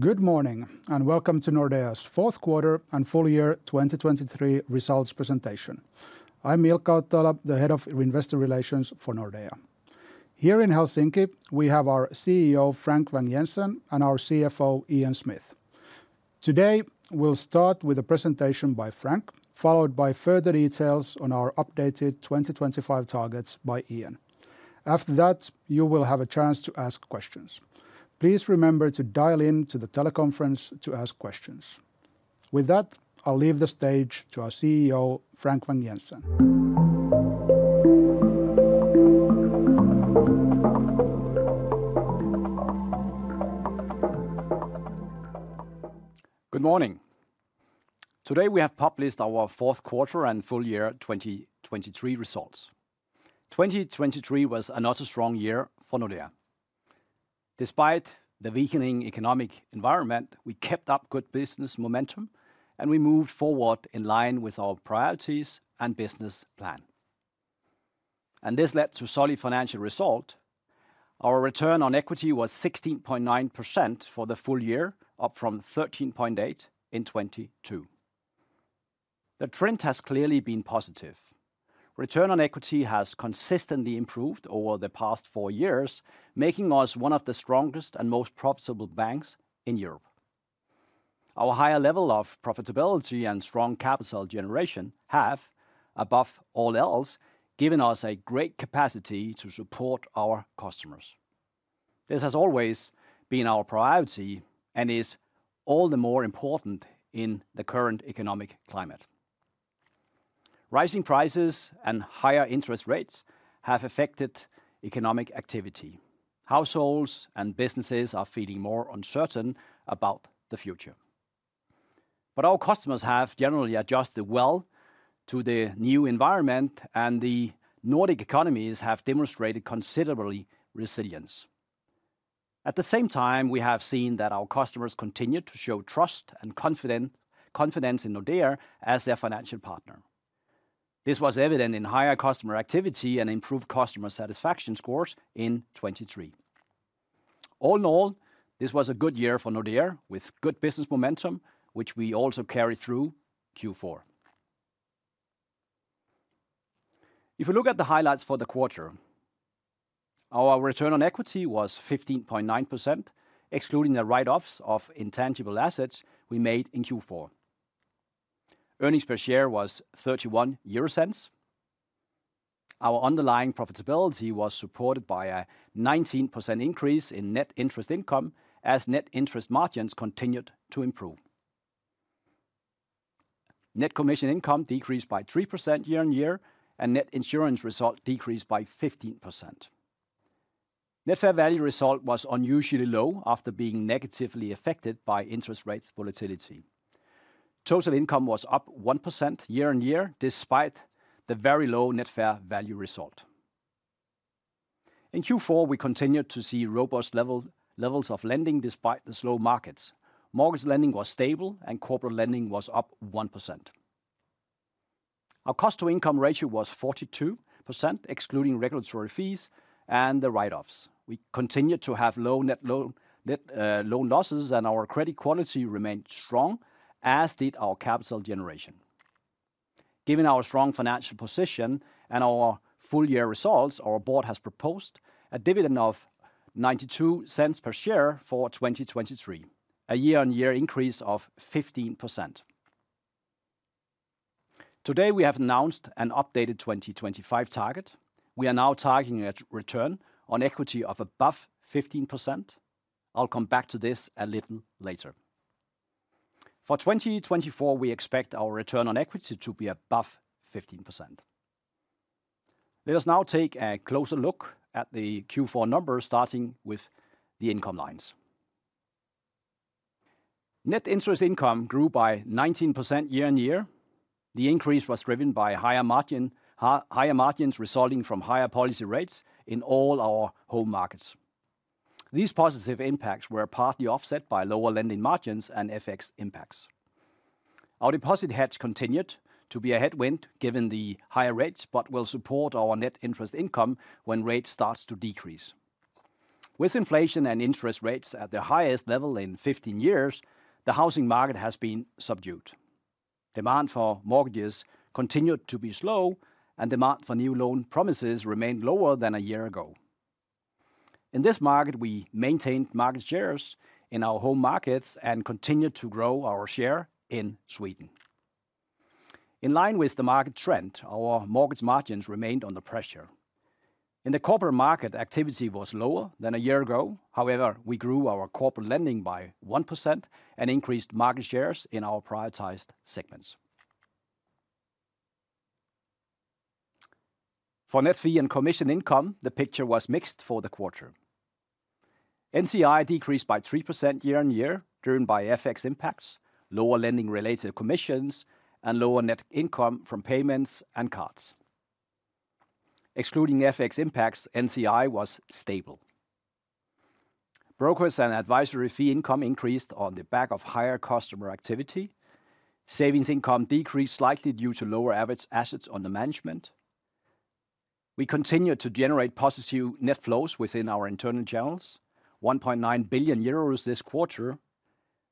Good morning, and welcome to Nordea's fourth quarter and full year 2023 results presentation. I'm Ilkka Ottoila, the Head of Investor Relations for Nordea. Here in Helsinki, we have our CEO, Frank Vang-Jensen, and our CFO, Ian Smith. Today, we'll start with a presentation by Frank, followed by further details on our updated 2025 targets by Ian. After that, you will have a chance to ask questions. Please remember to dial in to the teleconference to ask questions. With that, I'll leave the stage to our CEO, Frank Vang-Jensen. Good morning! Today, we have published our fourth quarter and full year 2023 results. 2023 was another strong year for Nordea. Despite the weakening economic environment, we kept up good business momentum, and we moved forward in line with our priorities and business plan. This led to solid financial result. Our return on equity was 16.9% for the full year, up from 13.8% in 2022. The trend has clearly been positive. Return on equity has consistently improved over the past four years, making us one of the strongest and most profitable banks in Europe. Our higher level of profitability and strong capital generation have, above all else, given us a great capacity to support our customers. This has always been our priority and is all the more important in the current economic climate. Rising prices and higher interest rates have affected economic activity. Households and businesses are feeling more uncertain about the future. But our customers have generally adjusted well to the new environment, and the Nordic economies have demonstrated considerable resilience. At the same time, we have seen that our customers continue to show trust and confidence in Nordea as their financial partner. This was evident in higher customer activity and improved customer satisfaction scores in 2023. All in all, this was a good year for Nordea, with good business momentum, which we also carried through Q4. If you look at the highlights for the quarter, our return on equity was 15.9%, excluding the write-offs of intangible assets we made in Q4. Earnings per share was 0.31. Our underlying profitability was supported by a 19% increase in net interest income as net interest margins continued to improve. Net commission income decreased by 3% year-on-year, and net insurance result decreased by 15%. Net fair value result was unusually low after being negatively affected by interest rates volatility. Total income was up 1% year-on-year, despite the very low net fair value result. In Q4, we continued to see robust levels of lending despite the slow markets. Mortgage lending was stable, and corporate lending was up 1%. Our Cost-to-Income Ratio was 42%, excluding regulatory fees and the write-offs. We continued to have low net loan losses, and our credit quality remained strong, as did our capital generation. Given our strong financial position and our full year results, our Board has proposed a dividend of 0.92 per share for 2023, a year-on-year increase of 15%. Today, we have announced an updated 2025 target. We are now targeting a return on equity of above 15%. I'll come back to this a little later. For 2024, we expect our return on equity to be above 15%. Let us now take a closer look at the Q4 numbers, starting with the income lines. Net interest income grew by 19% year-on-year. The increase was driven by higher margins resulting from higher policy rates in all our home markets. These positive impacts were partly offset by lower lending margins and FX impacts. Our deposit hedge continued to be a headwind, given the higher rates, but will support our net interest income when rates starts to decrease. With inflation and interest rates at their highest level in 15 years, the housing market has been subdued. Demand for mortgages continued to be slow, and demand for new loan promises remained lower than a year ago. In this market, we maintained market shares in our home markets and continued to grow our share in Sweden. In line with the market trend, our mortgage margins remained under pressure. In the corporate market, activity was lower than a year ago. However, we grew our corporate lending by 1% and increased market shares in our prioritized segments. For net fee and commission income, the picture was mixed for the quarter. NCI decreased by 3% year-over-year, driven by FX impacts, lower lending-related commissions, and lower net income from payments and cards. Excluding FX impacts, NCI was stable. Brokers and advisory fee income increased on the back of higher customer activity. Savings income decreased slightly due to lower average assets under management. We continue to generate positive net flows within our internal channels, 1.9 billion euros this quarter.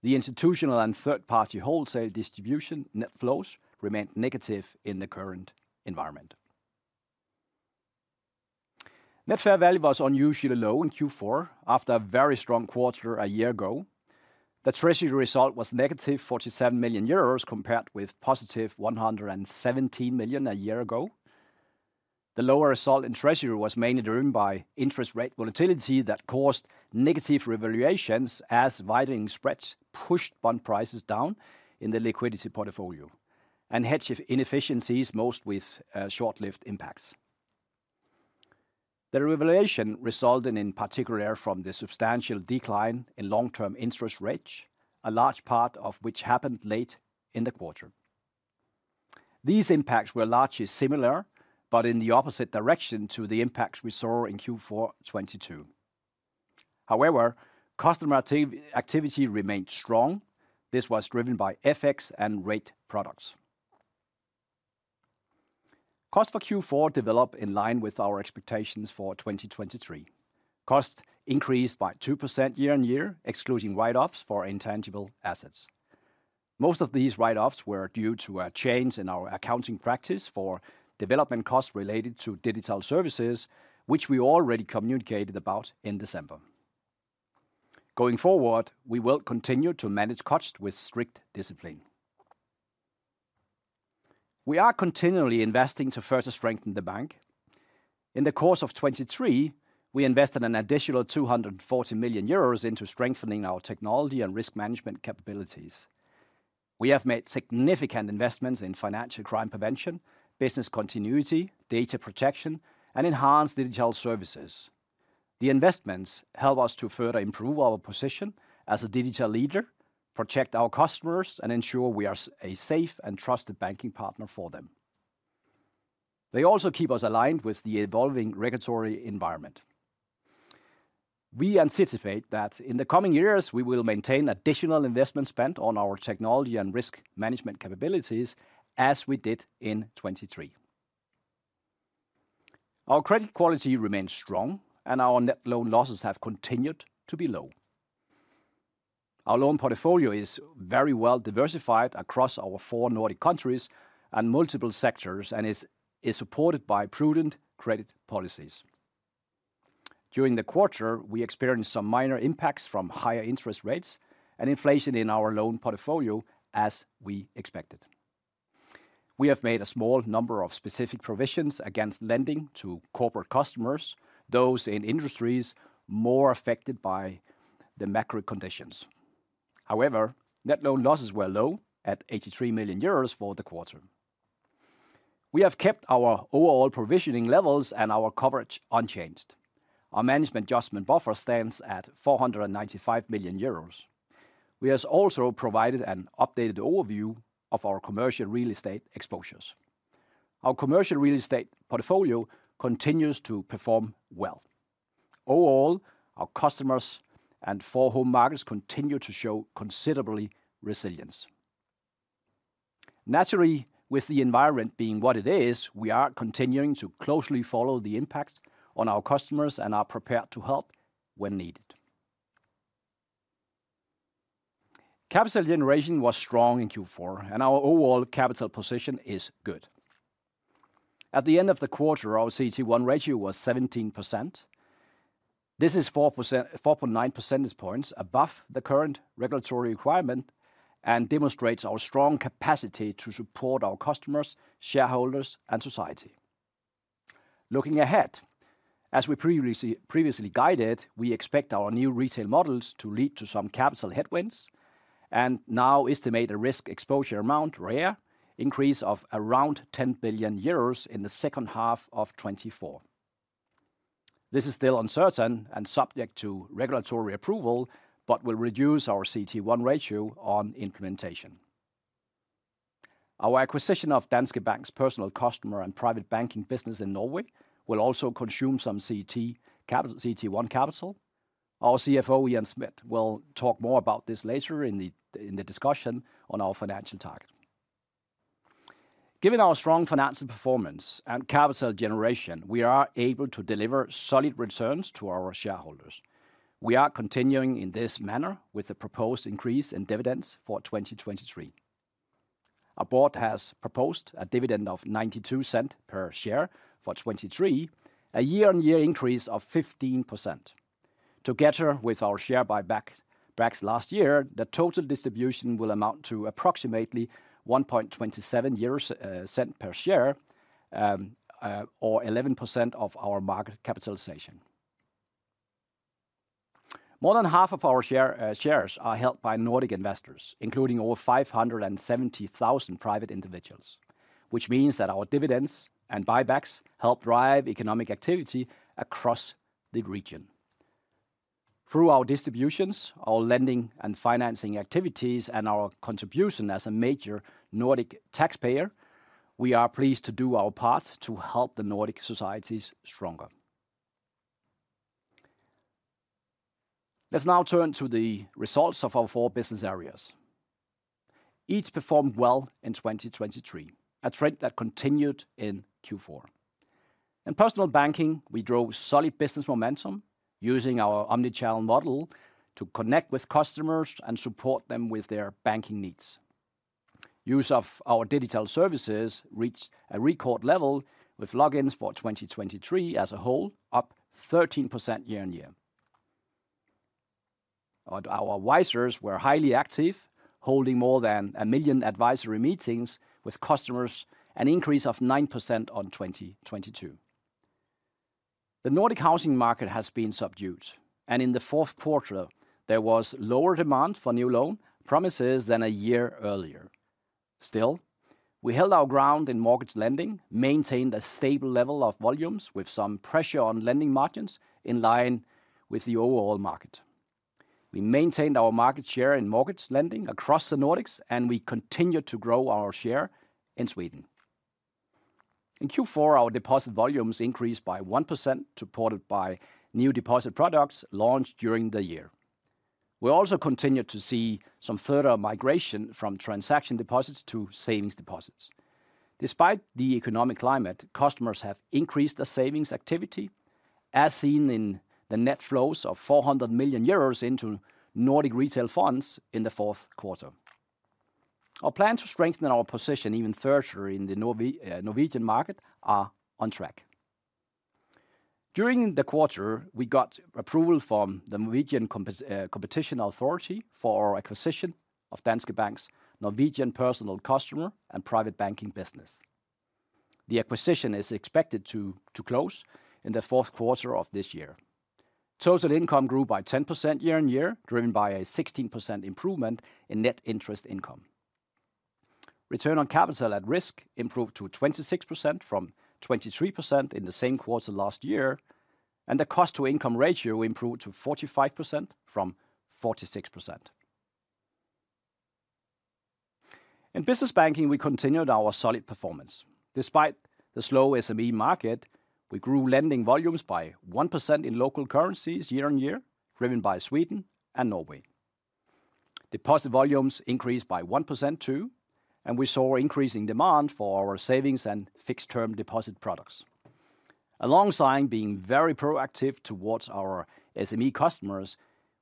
The institutional and third-party wholesale distribution net flows remained negative in the current environment. Net fair value was unusually low in Q4 after a very strong quarter a year ago. The treasury result was negative 47 million euros, compared with positive 117 million a year ago. The lower result in treasury was mainly driven by interest rate volatility that caused negative revaluations, as widening spreads pushed bond prices down in the liquidity portfolio and hedge inefficiencies, most with short-lived impacts. The revaluation resulted in particular from the substantial decline in long-term interest rates, a large part of which happened late in the quarter. These impacts were largely similar, but in the opposite direction to the impacts we saw in Q4 2022. However, customer activity remained strong. This was driven by FX and rate products. Costs for Q4 developed in line with our expectations for 2023. Costs increased by 2% year-on-year, excluding write-offs for intangible assets. Most of these write-offs were due to a change in our accounting practice for development costs related to digital services, which we already communicated about in December. Going forward, we will continue to manage costs with strict discipline. We are continually investing to further strengthen the bank. In the course of 2023, we invested an additional 240 million euros into strengthening our technology and risk management capabilities. We have made significant investments in financial crime prevention, business continuity, data protection, and enhanced digital services. The investments help us to further improve our position as a digital leader, protect our customers, and ensure we are a safe and trusted banking partner for them. They also keep us aligned with the evolving regulatory environment. We anticipate that in the coming years, we will maintain additional investment spend on our technology and risk management capabilities, as we did in 2023. Our credit quality remains strong, and our net loan losses have continued to be low. Our loan portfolio is very well diversified across our four Nordic countries and multiple sectors, and is supported by prudent credit policies. During the quarter, we experienced some minor impacts from higher interest rates and inflation in our loan portfolio, as we expected. We have made a small number of specific provisions against lending to corporate customers, those in industries more affected by the macro conditions. However, net loan losses were low at 83 million euros for the quarter. We have kept our overall provisioning levels and our coverage unchanged. Our management adjustment buffer stands at 495 million euros. We have also provided an updated overview of our commercial real estate exposures. Our commercial real estate portfolio continues to perform well. Overall, our customers and four home markets continue to show considerable resilience. Naturally, with the environment being what it is, we are continuing to closely follow the impact on our customers and are prepared to help when needed. Capital generation was strong in Q4, and our overall capital position is good. At the end of the quarter, our CET1 ratio was 17%. This is 4%, 4.9 percentage points above the current regulatory requirement and demonstrates our strong capacity to support our customers, shareholders, and society. Looking ahead, as we previously, previously guided, we expect our new retail models to lead to some capital headwinds and now estimate a risk exposure amount, REA, increase of around 10 billion euros in the second half of 2024. This is still uncertain and subject to regulatory approval, but will reduce our CET1 ratio on implementation. Our acquisition of Danske Bank's Personal Customer and Private Banking business in Norway will also consume some CET1 capital. Our CFO, Ian Smith, will talk more about this later in the discussion on our financial target. Given our strong financial performance and capital generation, we are able to deliver solid returns to our shareholders. We are continuing in this manner with a proposed increase in dividends for 2023. Our Board has proposed a dividend of 0.92 per share for 2023, a year-on-year increase of 15%. Together with our share buyback, buybacks last year, the total distribution will amount to approximately 1.27 euros per share, or 11% of our market capitalization. More than half of our shares are held by Nordic investors, including over 570,000 private individuals, which means that our dividends and buybacks help drive economic activity across the region. Through our distributions, our lending and financing activities, and our contribution as a major Nordic taxpayer, we are pleased to do our part to help the Nordic societies stronger. Let's now turn to the results of our four business areas. Each performed well in 2023, a trend that continued in Q4. In Personal Banking, we drove solid business momentum using our omni-channel model to connect with customers and support them with their banking needs. Use of our digital services reached a record level, with logins for 2023 as a whole, up 13% year-on-year. And our advisors were highly active, holding more than 1 million advisory meetings with customers, an increase of 9% on 2022. The Nordic housing market has been subdued, and in the fourth quarter, there was lower demand for new loan promises than a year earlier. Still, we held our ground in mortgage lending, maintained a stable level of volumes with some pressure on lending margins in line with the overall market. We maintained our market share in mortgage lending across the Nordics, and we continued to grow our share in Sweden. In Q4, our deposit volumes increased by 1%, supported by new deposit products launched during the year. We also continued to see some further migration from transaction deposits to savings deposits. Despite the economic climate, customers have increased their savings activity, as seen in the net flows of 400 million euros into Nordic retail funds in the fourth quarter. Our plan to strengthen our position even further in the Norwegian market are on track. During the quarter, we got approval from the Norwegian Competition Authority for our acquisition of Danske Bank's Norwegian Personal Customer and Private Banking business. The acquisition is expected to, to close in the fourth quarter of this year. Total income grew by 10% year-on-year, driven by a 16% improvement in net interest income. Return on Capital at Risk improved to 26% from 23% in the same quarter last year, and the Cost-to-Income Ratio improved to 45% from 46%. In Business Banking, we continued our solid performance. Despite the slow SME market, we grew lending volumes by 1% in local currencies year-on-year, driven by Sweden and Norway. Deposit volumes increased by 1%, too, and we saw increasing demand for our savings and fixed-term deposit products. Alongside being very proactive towards our SME customers,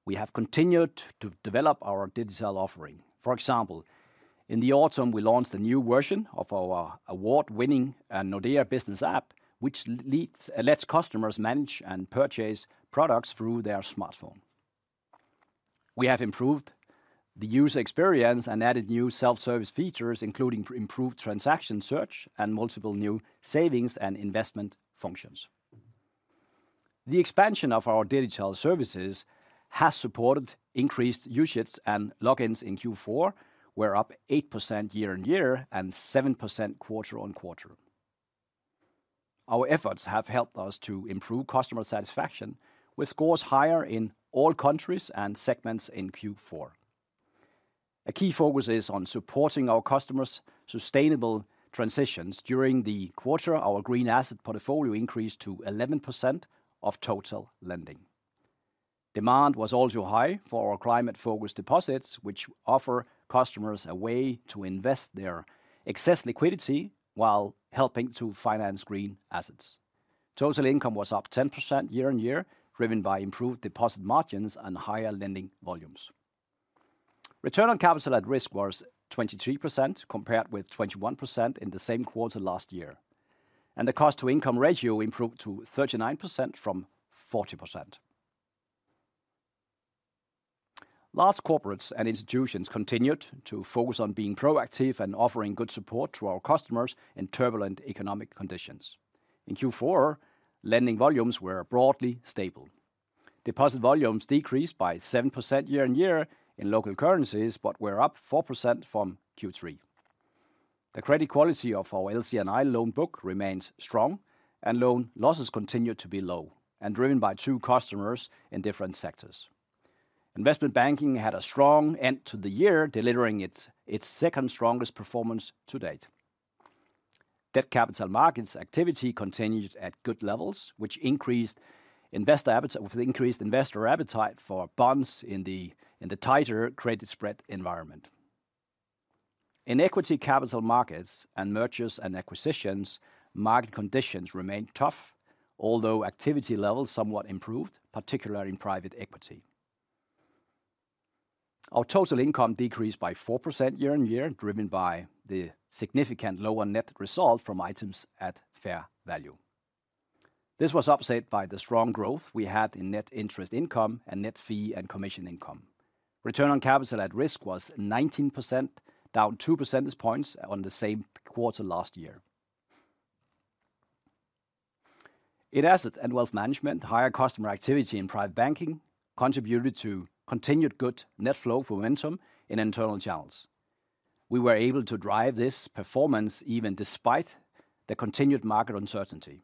we have continued to develop our digital offering. For example, in the autumn, we launched a new version of our award-winning Nordea Business app, which lets customers manage and purchase products through their smartphone. We have improved the user experience and added new self-service features, including improved transaction search and multiple new savings and investment functions. The expansion of our digital services has supported increased usage and logins in Q4, where up 8% year-on-year and 7% quarter-on-quarter. Our efforts have helped us to improve customer satisfaction, with scores higher in all countries and segments in Q4. A key focus is on supporting our customers' sustainable transitions. During the quarter, our green asset portfolio increased to 11% of total lending. Demand was also high for our climate-focused deposits, which offer customers a way to invest their excess liquidity while helping to finance green assets. Total income was up 10% year-on-year, driven by improved deposit margins and higher lending volumes. Return on Capital at Risk was 23%, compared with 21% in the same quarter last year, and the Cost-to-Income Ratio improved to 39% from 40%. Large corporates and institutions continued to focus on being proactive and offering good support to our customers in turbulent economic conditions. In Q4, lending volumes were broadly stable. Deposit volumes decreased by 7% year-on-year in local currencies, but were up 4% from Q3. The credit quality of our LC&I loan book remains strong, and loan losses continued to be low and driven by two customers in different sectors. Investment banking had a strong end to the year, delivering its second strongest performance to date. Debt capital markets activity continued at good levels, with increased investor appetite for bonds in the tighter credit spread environment. In equity capital markets and mergers and acquisitions, market conditions remained tough, although activity levels somewhat improved, particularly in private equity. Our total income decreased by 4% year-on-year, driven by the significantly lower net result from items at fair value. This was offset by the strong growth we had in net interest income and net fee and commission income. Return on Capital at Risk was 19%, down two percentage points on the same quarter last year. In Assets & Wealth Management, higher customer activity in private banking contributed to continued good net flow momentum in internal channels. We were able to drive this performance even despite the continued market uncertainty.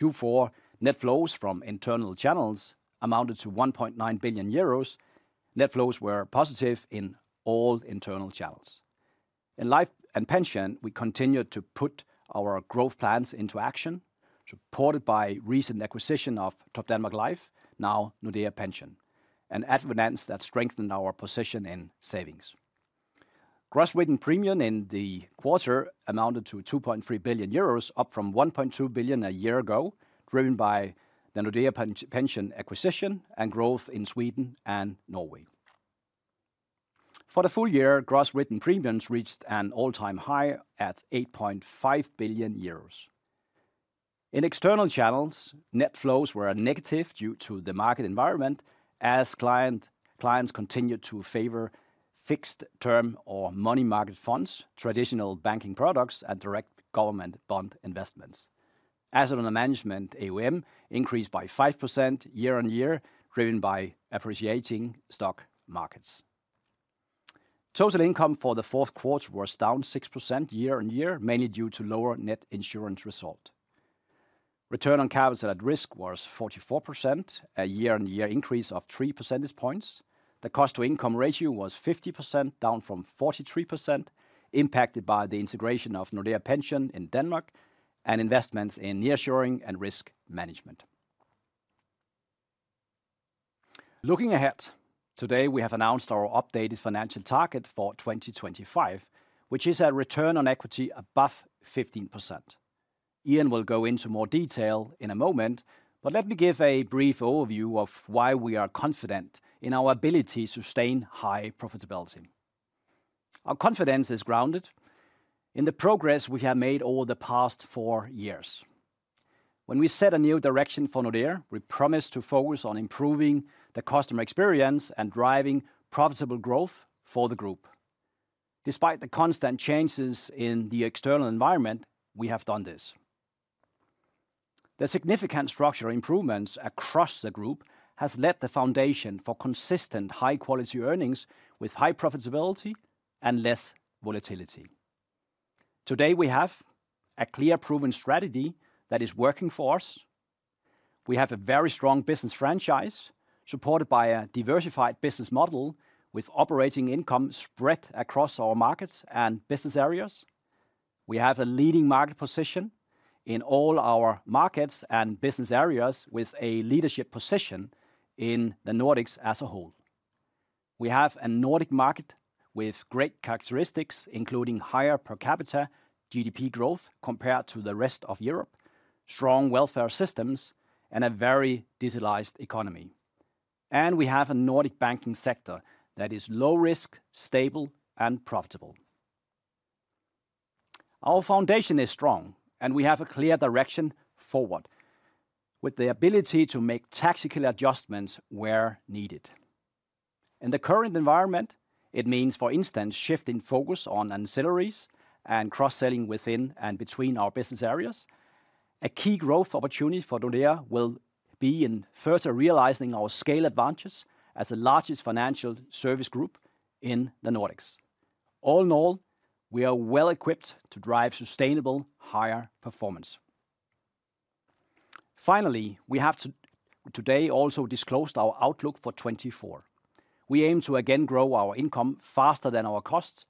Q4 net flows from internal channels amounted to 1.9 billion euros. Net flows were positive in all internal channels. In Life & Pension, we continued to put our growth plans into action, supported by recent acquisition of Topdanmark Life, now Nordea Pension, and Advinans that strengthened our position in savings. Gross written premium in the quarter amounted to 2.3 billion euros, up from 1.2 billion a year ago, driven by the Nordea Pension acquisition and growth in Sweden and Norway. For the full year, gross written premiums reached an all-time high at 8.5 billion euros. In external channels, net flows were negative due to the market environment as clients continued to favor fixed term or money market funds, traditional banking products and direct government bond investments. Assets under management, AUM, increased by 5% year-on-year, driven by appreciating stock markets. Total income for the fourth quarter was down 6% year-on-year, mainly due to lower net insurance result. Return on Capital at Risk was 44%, a year-on-year increase of three percentage points. The Cost-to-Income Ratio was 50%, down from 43%, impacted by the integration of Nordea Pension in Denmark and investments in nearshoring and risk management. Looking ahead, today, we have announced our updated financial target for 2025, which is a return on equity above 15%. Ian will go into more detail in a moment, but let me give a brief overview of why we are confident in our ability to sustain high profitability. Our confidence is grounded in the progress we have made over the past four years. When we set a new direction for Nordea, we promised to focus on improving the customer experience and driving profitable growth for the group. Despite the constant changes in the external environment, we have done this. The significant structural improvements across the group has led the foundation for consistent, high-quality earnings with high profitability and less volatility. Today, we have a clear, proven strategy that is working for us. We have a very strong business franchise, supported by a diversified business model with operating income spread across our markets and business areas. We have a leading market position in all our markets and business areas, with a leadership position in the Nordics as a whole. We have a Nordic market with great characteristics, including higher per capita GDP growth compared to the rest of Europe, strong welfare systems and a very digitalized economy. We have a Nordic banking sector that is low risk, stable and profitable. Our foundation is strong, and we have a clear direction forward, with the ability to make tactical adjustments where needed. In the current environment, it means, for instance, shifting focus on ancillaries and cross-selling within and between our business areas. A key growth opportunity for Nordea will be in further realizing our scale advantages as the largest financial service group in the Nordics. All in all, we are well equipped to drive sustainable, higher performance. Finally, we have today also disclosed our outlook for 2024. We aim to again grow our income faster than our costs,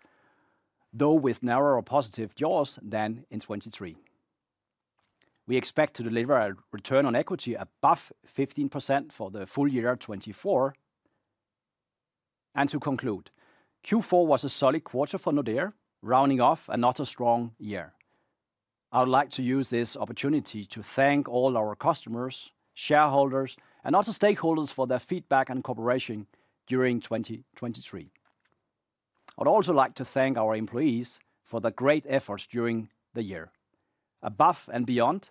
though with narrower positive jaws than in 2023. We expect to deliver a return on equity above 15% for the full year of 2024. And to conclude, Q4 was a solid quarter for Nordea, rounding off another strong year. I would like to use this opportunity to thank all our customers, shareholders and other stakeholders for their feedback and cooperation during 2023. I'd also like to thank our employees for their great efforts during the year. Above and beyond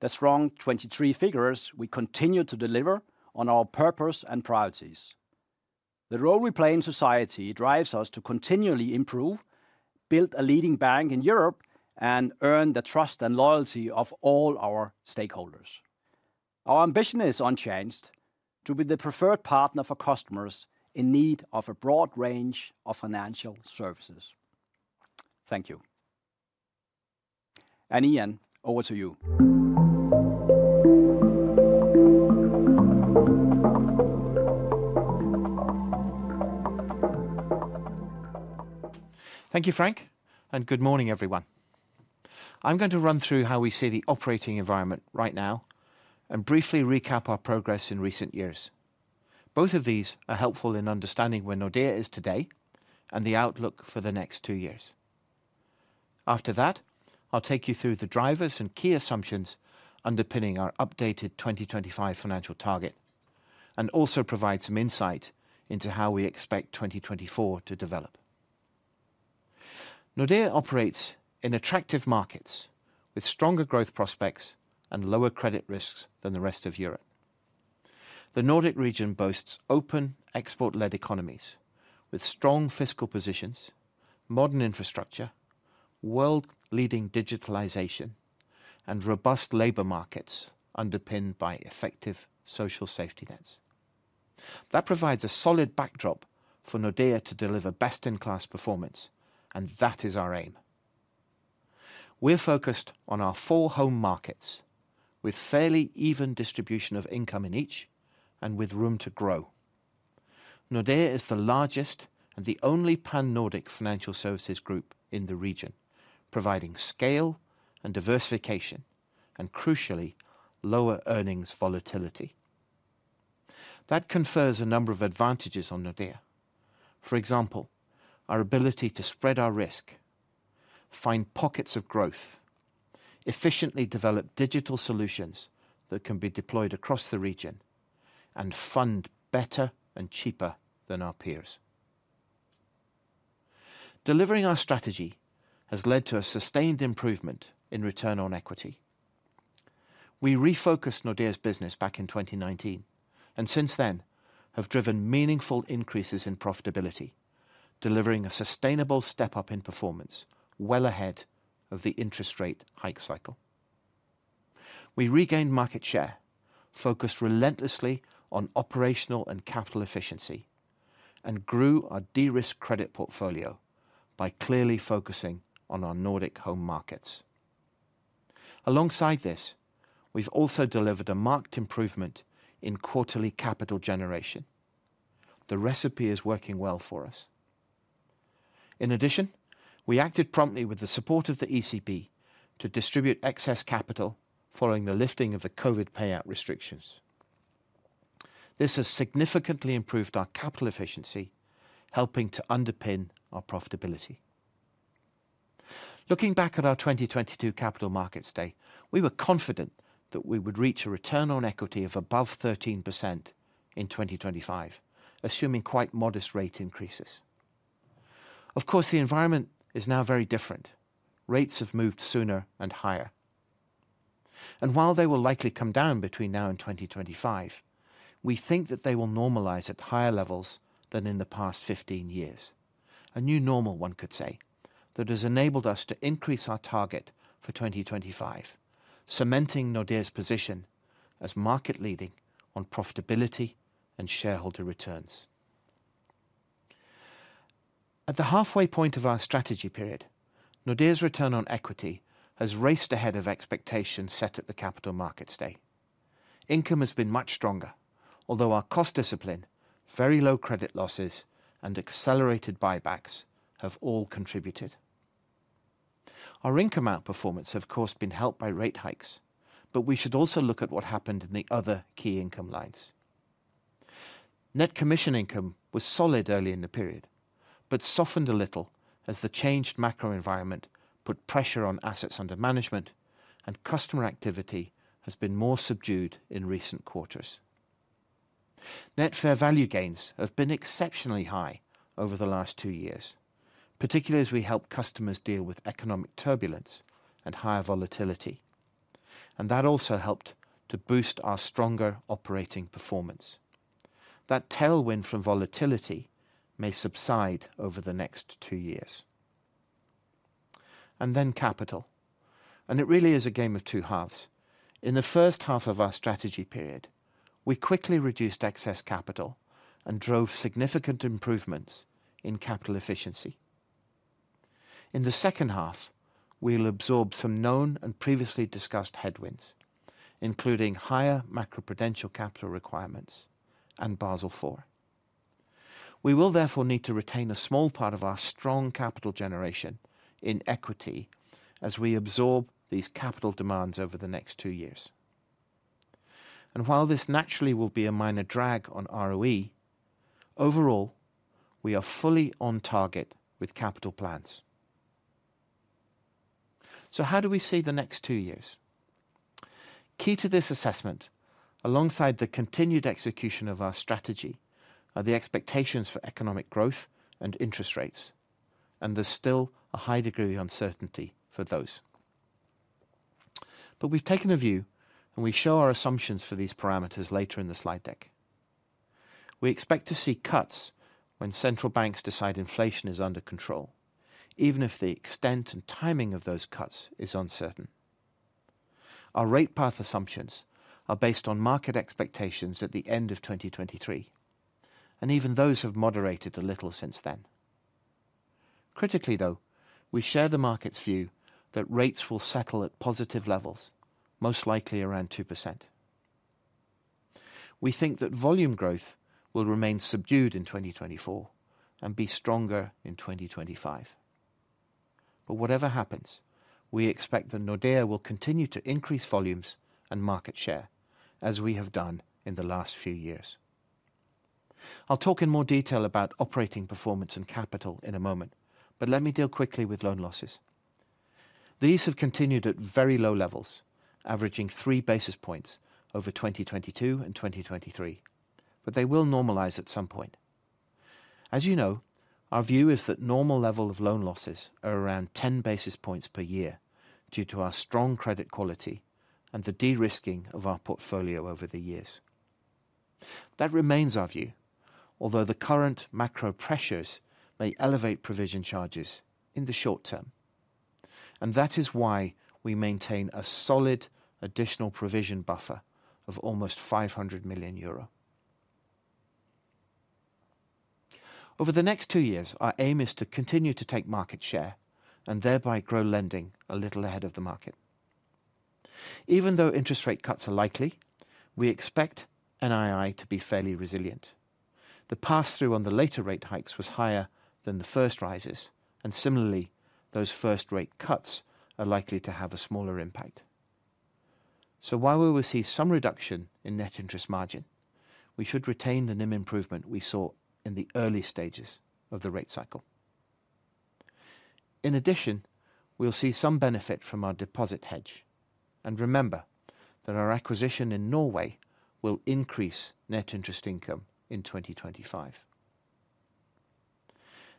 the strong 2023 figures, we continued to deliver on our purpose and priorities. The role we play in society drives us to continually improve, build a leading bank in Europe, and earn the trust and loyalty of all our stakeholders. Our ambition is unchanged: to be the preferred partner for customers in need of a broad range of financial services. Thank you. Ian, over to you. Thank you, Frank, and good morning, everyone. I'm going to run through how we see the operating environment right now and briefly recap our progress in recent years. Both of these are helpful in understanding where Nordea is today and the outlook for the next two years. After that, I'll take you through the drivers and key assumptions underpinning our updated 2025 financial target and also provide some insight into how we expect 2024 to develop. Nordea operates in attractive markets with stronger growth prospects and lower credit risks than the rest of Europe. The Nordic region boasts open export-led economies with strong fiscal positions, modern infrastructure, world-leading digitalization and robust labor markets, underpinned by effective social safety nets. That provides a solid backdrop for Nordea to deliver best-in-class performance, and that is our aim. We're focused on our four home markets, with fairly even distribution of income in each and with room to grow. Nordea is the largest and the only Pan-Nordic financial services group in the region, providing scale and diversification, and crucially, lower earnings volatility. That confers a number of advantages on Nordea. For example, our ability to spread our risk, find pockets of growth, efficiently develop digital solutions that can be deployed across the region, and fund better and cheaper than our peers. Delivering our strategy has led to a sustained improvement in return on equity. We refocused Nordea's business back in 2019, and since then have driven meaningful increases in profitability, delivering a sustainable step-up in performance, well ahead of the interest rate hike cycle. We regained market share, focused relentlessly on operational and capital efficiency, and grew our de-risked credit portfolio by clearly focusing on our Nordic home markets. Alongside this, we've also delivered a marked improvement in quarterly capital generation. The recipe is working well for us. In addition, we acted promptly with the support of the ECB to distribute excess capital following the lifting of the COVID payout restrictions. This has significantly improved our capital efficiency, helping to underpin our profitability. Looking back at our 2022 Capital Markets Day, we were confident that we would reach a return on equity of above 13% in 2025, assuming quite modest rate increases. Of course, the environment is now very different. Rates have moved sooner and higher. While they will likely come down between now and 2025, we think that they will normalize at higher levels than in the past 15 years. A new normal, one could say, that has enabled us to increase our target for 2025, cementing Nordea's position as market leading on profitability and shareholder returns. At the halfway point of our strategy period, Nordea's return on equity has raced ahead of expectations set at the Capital Markets Day. Income has been much stronger, although our cost discipline, very low credit losses, and accelerated buybacks have all contributed. Our income outperformance have, of course, been helped by rate hikes, but we should also look at what happened in the other key income lines. Net Commission Income was solid early in the period, but softened a little as the changed macro environment put pressure on assets under management, and customer activity has been more subdued in recent quarters. Net Fair Value gains have been exceptionally high over the last two years, particularly as we help customers deal with economic turbulence and higher volatility, and that also helped to boost our stronger operating performance. That tailwind from volatility may subside over the next two years. And then capital, and it really is a game of two halves. In the first half of our strategy period, we quickly reduced excess capital and drove significant improvements in capital efficiency. In the second half, we'll absorb some known and previously discussed headwinds, including higher Macroprudential Capital Requirements and Basel IV. We will therefore need to retain a small part of our strong capital generation in equity as we absorb these capital demands over the next two years. While this naturally will be a minor drag on ROE, overall, we are fully on target with capital plans. How do we see the next two years? Key to this assessment, alongside the continued execution of our strategy, are the expectations for economic growth and interest rates, and there's still a high degree of uncertainty for those. We've taken a view, and we show our assumptions for these parameters later in the slide deck. We expect to see cuts when central banks decide inflation is under control, even if the extent and timing of those cuts is uncertain. Our rate path assumptions are based on market expectations at the end of 2023, and even those have moderated a little since then. Critically, though, we share the market's view that rates will settle at positive levels, most likely around 2%. We think that volume growth will remain subdued in 2024 and be stronger in 2025. But whatever happens, we expect that Nordea will continue to increase volumes and market share, as we have done in the last few years. I'll talk in more detail about operating performance and capital in a moment, but let me deal quickly with loan losses. These have continued at very low levels, averaging 3 basis points over 2022 and 2023, but they will normalize at some point. As you know, our view is that normal level of loan losses are around 10 basis points per year due to our strong credit quality and the de-risking of our portfolio over the years. That remains our view, although the current macro pressures may elevate provision charges in the short term, and that is why we maintain a solid additional provision buffer of almost 500 million euro. Over the next two years, our aim is to continue to take market share and thereby grow lending a little ahead of the market. Even though interest rate cuts are likely, we expect NII to be fairly resilient. The pass-through on the later rate hikes was higher than the first rises, and similarly, those first rate cuts are likely to have a smaller impact. So while we will see some reduction in net interest margin, we should retain the NIM improvement we saw in the early stages of the rate cycle. In addition, we'll see some benefit from our deposit hedge. And remember that our acquisition in Norway will increase net interest income in 2025.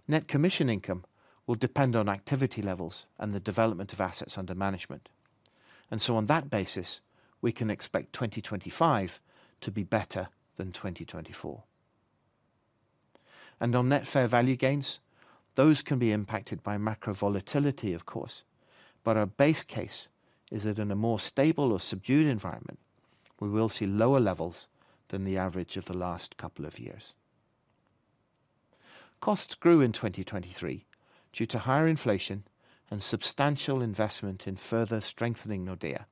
Net commission income will depend on activity levels and the development of assets under management. And so on that basis, we can expect 2025 to be better than 2024. And on net fair value gains, those can be impacted by macro volatility, of course, but our base case is that in a more stable or subdued environment, we will see lower levels than the average of the last couple of years. Costs grew in 2023 due to higher inflation and substantial investment in further strengthening Nordea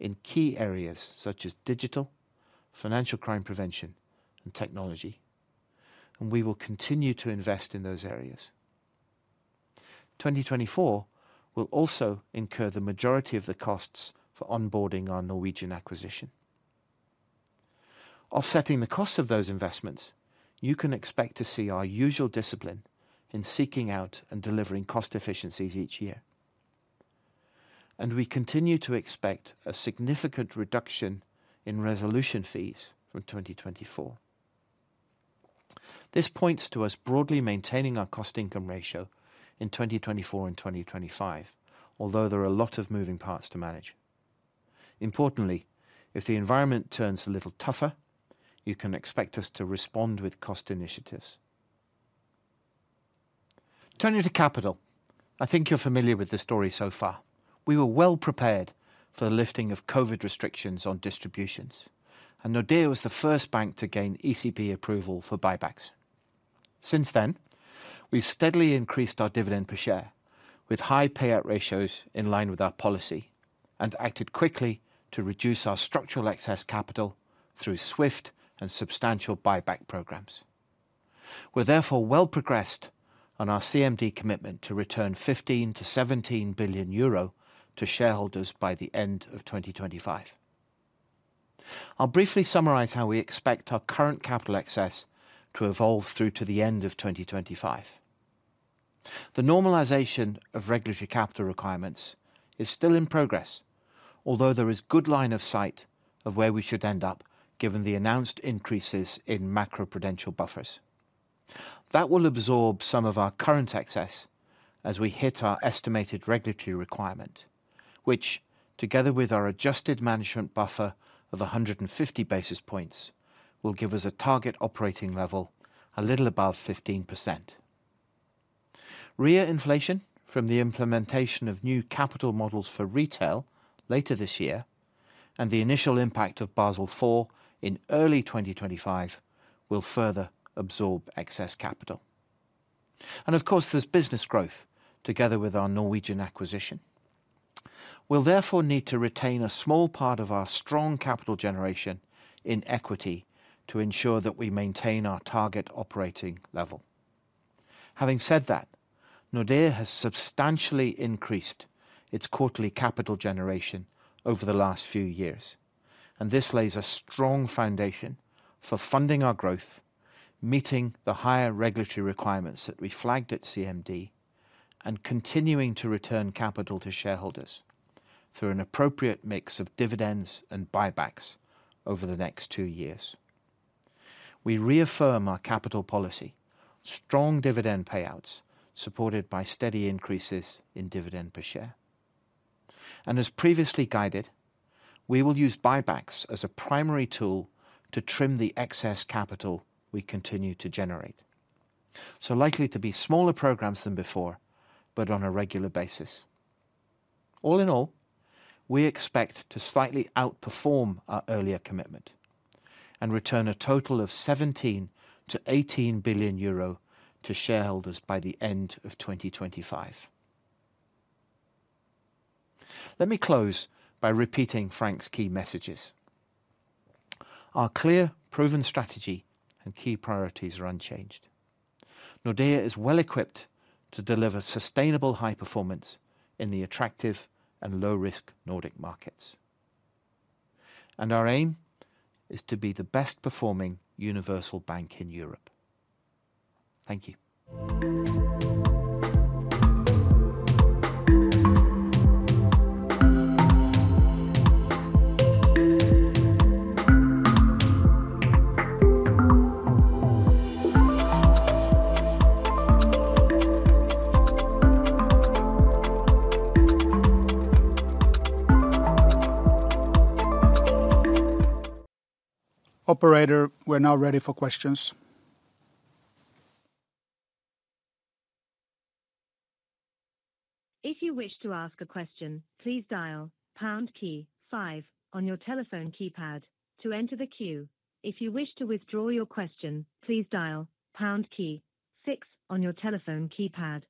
in key areas such as digital, financial crime prevention, and technology, and we will continue to invest in those areas. 2024 will also incur the majority of the costs for onboarding our Norwegian acquisition. Offsetting the costs of those investments, you can expect to see our usual discipline in seeking out and delivering cost efficiencies each year. We continue to expect a significant reduction in resolution fees from 2024. This points to us broadly maintaining our Cost-to-Income Ratio in 2024 and 2025, although there are a lot of moving parts to manage. Importantly, if the environment turns a little tougher, you can expect us to respond with cost initiatives. Turning to capital, I think you're familiar with the story so far. We were well prepared for the lifting of COVID restrictions on distributions, and Nordea was the first bank to gain ECB approval for buybacks. Since then, we've steadily increased our dividend per share with high payout ratios in line with our policy, and acted quickly to reduce our structural excess capital through swift and substantial buyback programs. We're therefore well progressed on our CMD commitment to return 15 billion-17 billion euro to shareholders by the end of 2025. I'll briefly summarize how we expect our current capital excess to evolve through to the end of 2025. The normalization of regulatory capital requirements is still in progress, although there is good line of sight of where we should end up, given the announced increases in macroprudential buffers. That will absorb some of our current excess as we hit our estimated regulatory requirement, which, together with our adjusted management buffer of 150 basis points, will give us a target operating level a little above 15%. REA inflation from the implementation of new capital models for retail later this year, and the initial impact of Basel IV in early 2025, will further absorb excess capital. And of course, there's business growth together with our Norwegian acquisition. We'll therefore need to retain a small part of our strong capital generation in equity to ensure that we maintain our target operating level. Having said that, Nordea has substantially increased its quarterly capital generation over the last few years, and this lays a strong foundation for funding our growth, meeting the higher regulatory requirements that we flagged at CMD, and continuing to return capital to shareholders through an appropriate mix of dividends and buybacks over the next two years. We reaffirm our capital policy, strong dividend payouts, supported by steady increases in dividend per share. And as previously guided, we will use buybacks as a primary tool to trim the excess capital we continue to generate. So likely to be smaller programs than before, but on a regular basis. All in all, we expect to slightly outperform our earlier commitment and return a total of 17 billion-18 billion euro to shareholders by the end of 2025. Let me close by repeating Frank's key messages. Our clear, proven strategy and key priorities are unchanged. Nordea is well equipped to deliver sustainable high performance in the attractive and low-risk Nordic markets. Our aim is to be the best performing universal bank in Europe. Thank you. Operator, we're now ready for questions. If you wish to ask a question, please dial pound key five on your telephone keypad to enter the queue. If you wish to withdraw your question, please dial pound key six on your telephone keypad.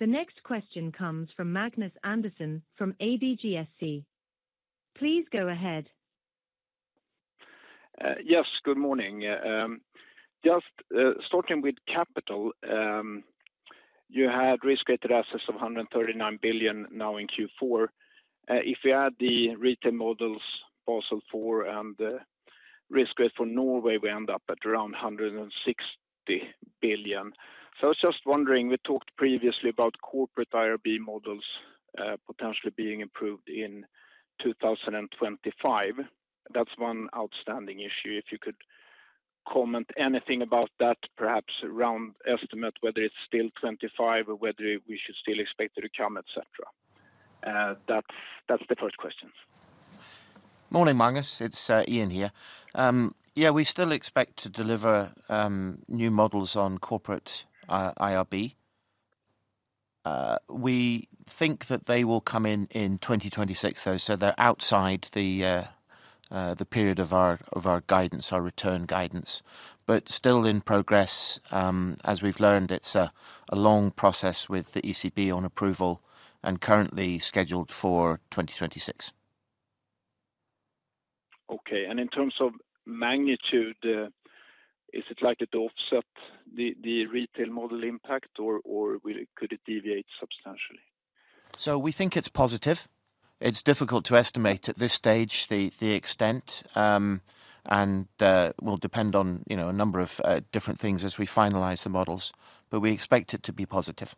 The next question comes from Magnus Andersson from ABGSC. Please go ahead. Yes, good morning. Just starting with capital, you had risk-weighted assets of 139 billion now in Q4. If you add the retail models, Basel IV, and risk weight for Norway, we end up at around 160 billion. So I was just wondering, we talked previously about corporate IRB models potentially being approved in 2025. That's one outstanding issue. If you could comment anything about that, perhaps around estimate, whether it's still 2025 or whether we should still expect it to come, et cetera. That's the first question. Morning, Magnus. It's Ian here. Yeah, we still expect to deliver new models on corporate IRB. We think that they will come in 2026, though, so they're outside the period of our guidance, our return guidance, but still in progress. As we've learned, it's a long process with the ECB on approval and currently scheduled for 2026. Okay. And in terms of magnitude, is it likely to offset the retail model impact or could it deviate substantially? So we think it's positive. It's difficult to estimate at this stage the extent, and will depend on, you know, a number of different things as we finalize the models, but we expect it to be positive.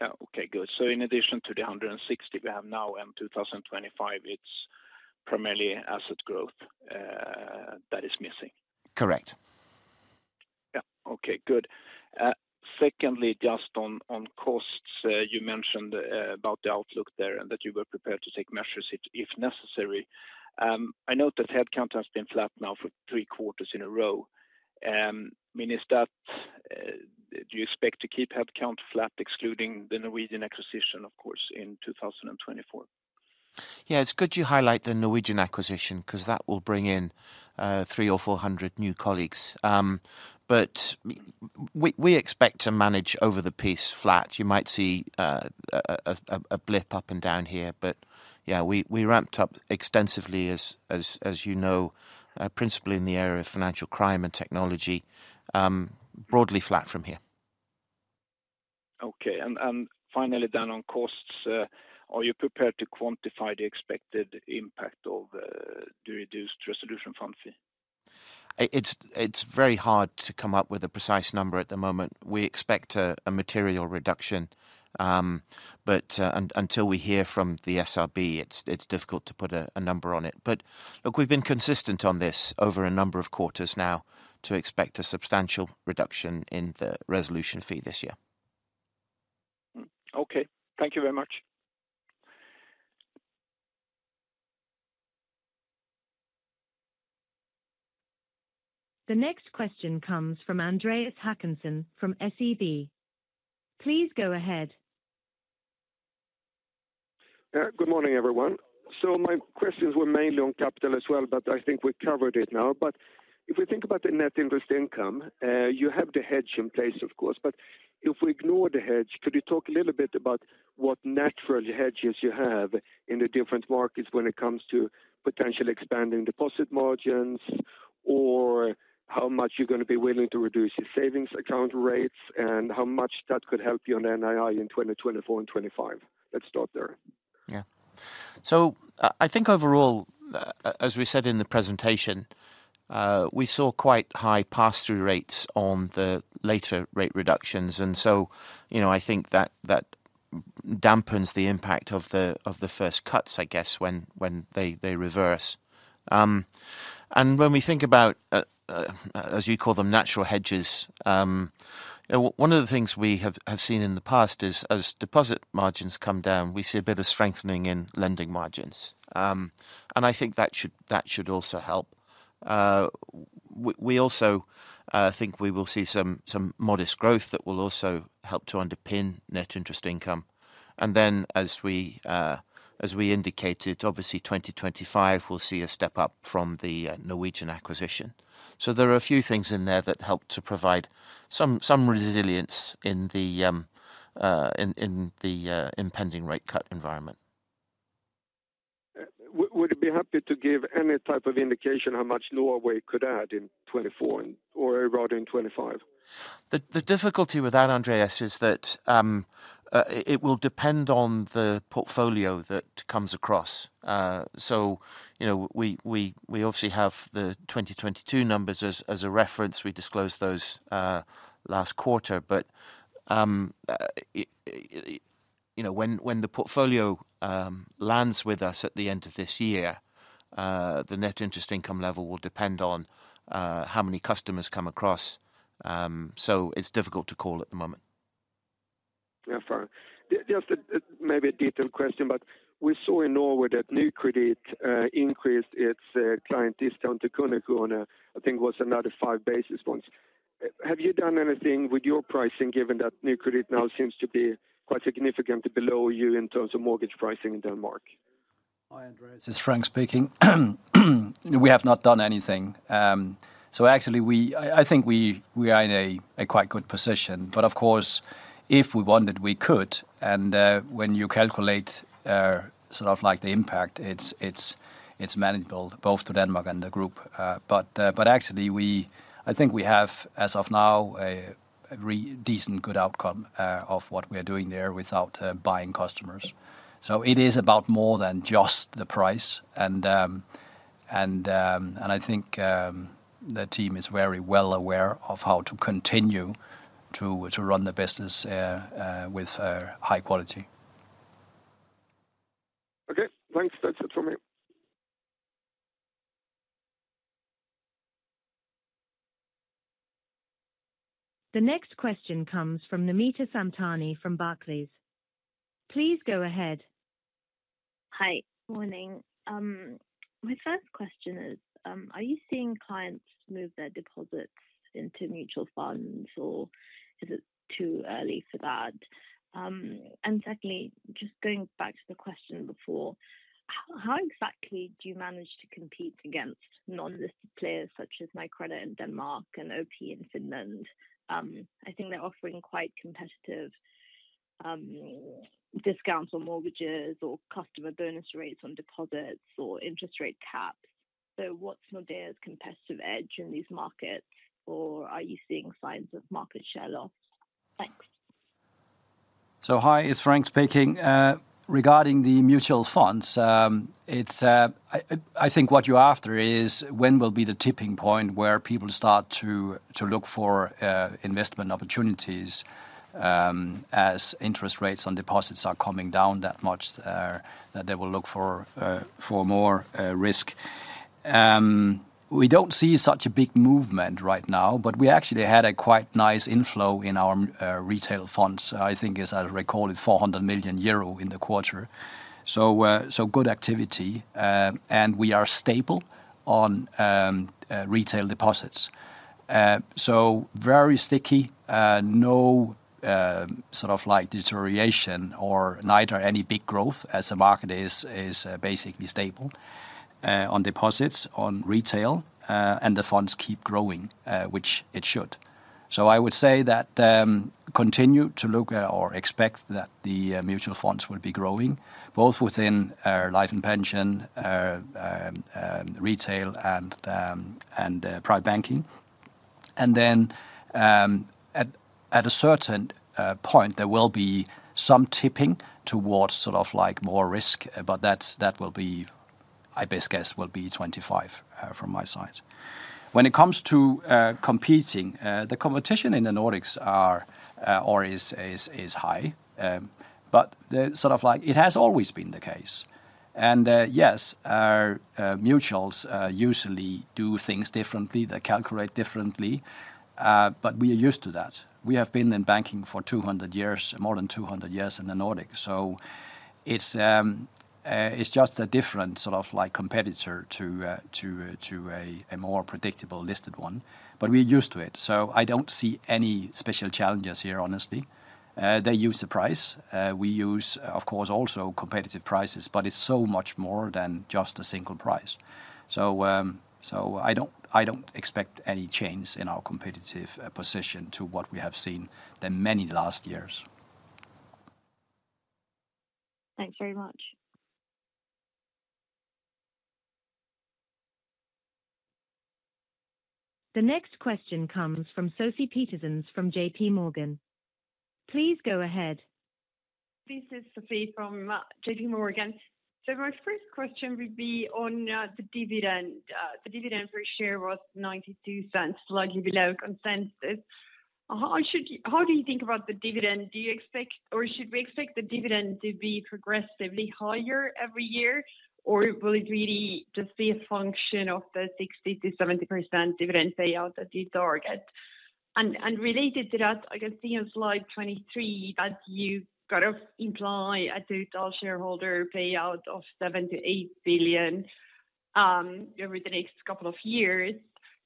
Yeah. Okay, good. So in addition to the 160 we have now in 2025, it's primarily asset growth that is missing? Correct. Yeah. Okay, good. Secondly, just on costs, you mentioned about the outlook there and that you were prepared to take measures if necessary. I know that headcount has been flat now for three quarters in a row. I mean, is that, do you expect to keep headcount flat, excluding the Norwegian acquisition, of course, in 2024? Yeah, it's good you highlight the Norwegian acquisition, 'cause that will bring in 300-400 new colleagues. But we expect to manage over the piece flat. You might see a blip up and down here, but yeah, we ramped up extensively as you know, principally in the area of financial crime and technology, broadly flat from here. Okay. And finally, down on costs, are you prepared to quantify the expected impact of the reduced resolution fund fee? It's very hard to come up with a precise number at the moment. We expect a material reduction, but until we hear from the SRB, it's difficult to put a number on it. But look, we've been consistent on this over a number of quarters now, to expect a substantial reduction in the resolution fee this year. Okay. Thank you very much. The next question comes from Andreas Håkansson from SEB. Please go ahead. Good morning, everyone. So my questions were mainly on capital as well, but I think we covered it now. But if we think about the net interest income, you have the hedge in place, of course, but if we ignore the hedge, could you talk a little bit about what natural hedges you have in the different markets when it comes to potentially expanding deposit margins, or how much you're gonna be willing to reduce your savings account rates, and how much that could help you on NII in 2024 and 2025? Let's start there. Yeah. So I think overall, as we said in the presentation, we saw quite high pass-through rates on the later rate reductions, and so, you know, I think that dampens the impact of the first cuts, I guess, when they reverse. And when we think about, as you call them, natural hedges, one of the things we have seen in the past is, as deposit margins come down, we see a bit of strengthening in lending margins. And I think that should also help. We also think we will see some modest growth that will also help to underpin net interest income. And then, as we indicated, obviously, 2025 will see a step-up from the Norwegian acquisition. So there are a few things in there that help to provide some resilience in the impending rate cut environment. Would you be happy to give any type of indication how much Norway could add in 2024 and, or rather, in 2025? The difficulty with that, Andreas, is that it will depend on the portfolio that comes across. So you know, we obviously have the 2022 numbers as a reference. We disclosed those last quarter, but you know, when the portfolio lands with us at the end of this year, the net interest income level will depend on how many customers come across. So it's difficult to call at the moment. Yeah, fine. Just a, maybe a detailed question, but we saw in Norway that Nykredit increased its client discount to KundeKroner on a, I think, was another 5 basis points. Have you done anything with your pricing, given that Nykredit now seems to be quite significantly below you in terms of mortgage pricing in Denmark? Hi, Andreas, this is Frank speaking. We have not done anything. So actually we are in a quite good position. But of course, if we wanted, we could, and when you calculate sort of like the impact, it's manageable both to Denmark and the group. But actually I think we have, as of now, a decent, good outcome of what we are doing there without buying customers. So it is about more than just the price. I think the team is very well aware of how to continue to run the business with high quality. Okay, thanks. That's it from me. The next question comes from Namita Samtani from Barclays. Please go ahead. Hi. Morning. My first question is, are you seeing clients move their deposits into mutual funds, or is it too early for that? And secondly, just going back to the question before, how exactly do you manage to compete against non-listed players such as Nykredit in Denmark and OP in Finland? I think they're offering quite competitive, discounts on mortgages, or customer bonus rates on deposits, or interest rate caps. So what's Nordea's competitive edge in these markets, or are you seeing signs of market share loss? Thanks. So hi, it's Frank speaking. Regarding the mutual funds, it's I think what you're after is when will be the tipping point where people start to look for investment opportunities, as interest rates on deposits are coming down that much, that they will look for for more risk. We don't see such a big movement right now, but we actually had a quite nice inflow in our retail funds. I think, as I recall, it's 400 million euro in the quarter. So, so good activity. And we are stable on retail deposits. So very sticky, no sort of like deterioration or neither any big growth as the market is basically stable on deposits, on retail, and the funds keep growing, which it should. So I would say that continue to look at or expect that the mutual funds will be growing, both within our Life & Pension, Retail and Private Banking. And then at a certain point, there will be some tipping towards sort of like more risk, but that's that will be, I best guess, will be 2025 from my side. When it comes to competing the competition in the Nordics are or is is high. But the sort of like... It has always been the case. And yes, our mutuals usually do things differently, they calculate differently, but we are used to that. We have been in banking for 200 years, more than 200 years in the Nordics, so it's just a different sort of like competitor to a more predictable listed one. But we're used to it, so I don't see any special challenges here, honestly. They use the price. We use, of course, also competitive prices, but it's so much more than just a single price. So I don't expect any change in our competitive position to what we have seen the many last years. Thanks very much. The next question comes from Sofie Peterzens from JPMorgan. Please go ahead. This is Sofie from JPMorgan. My first question would be on the dividend. The dividend per share was 0.92, slightly below consensus. How do you think about the dividend? Do you expect or should we expect the dividend to be progressively higher every year, or will it really just be a function of the 60%-70% dividend payout that you target? And related to that, I can see on slide 23 that you kind of imply a total shareholder payout of 7 billion-8 billion over the next couple of years.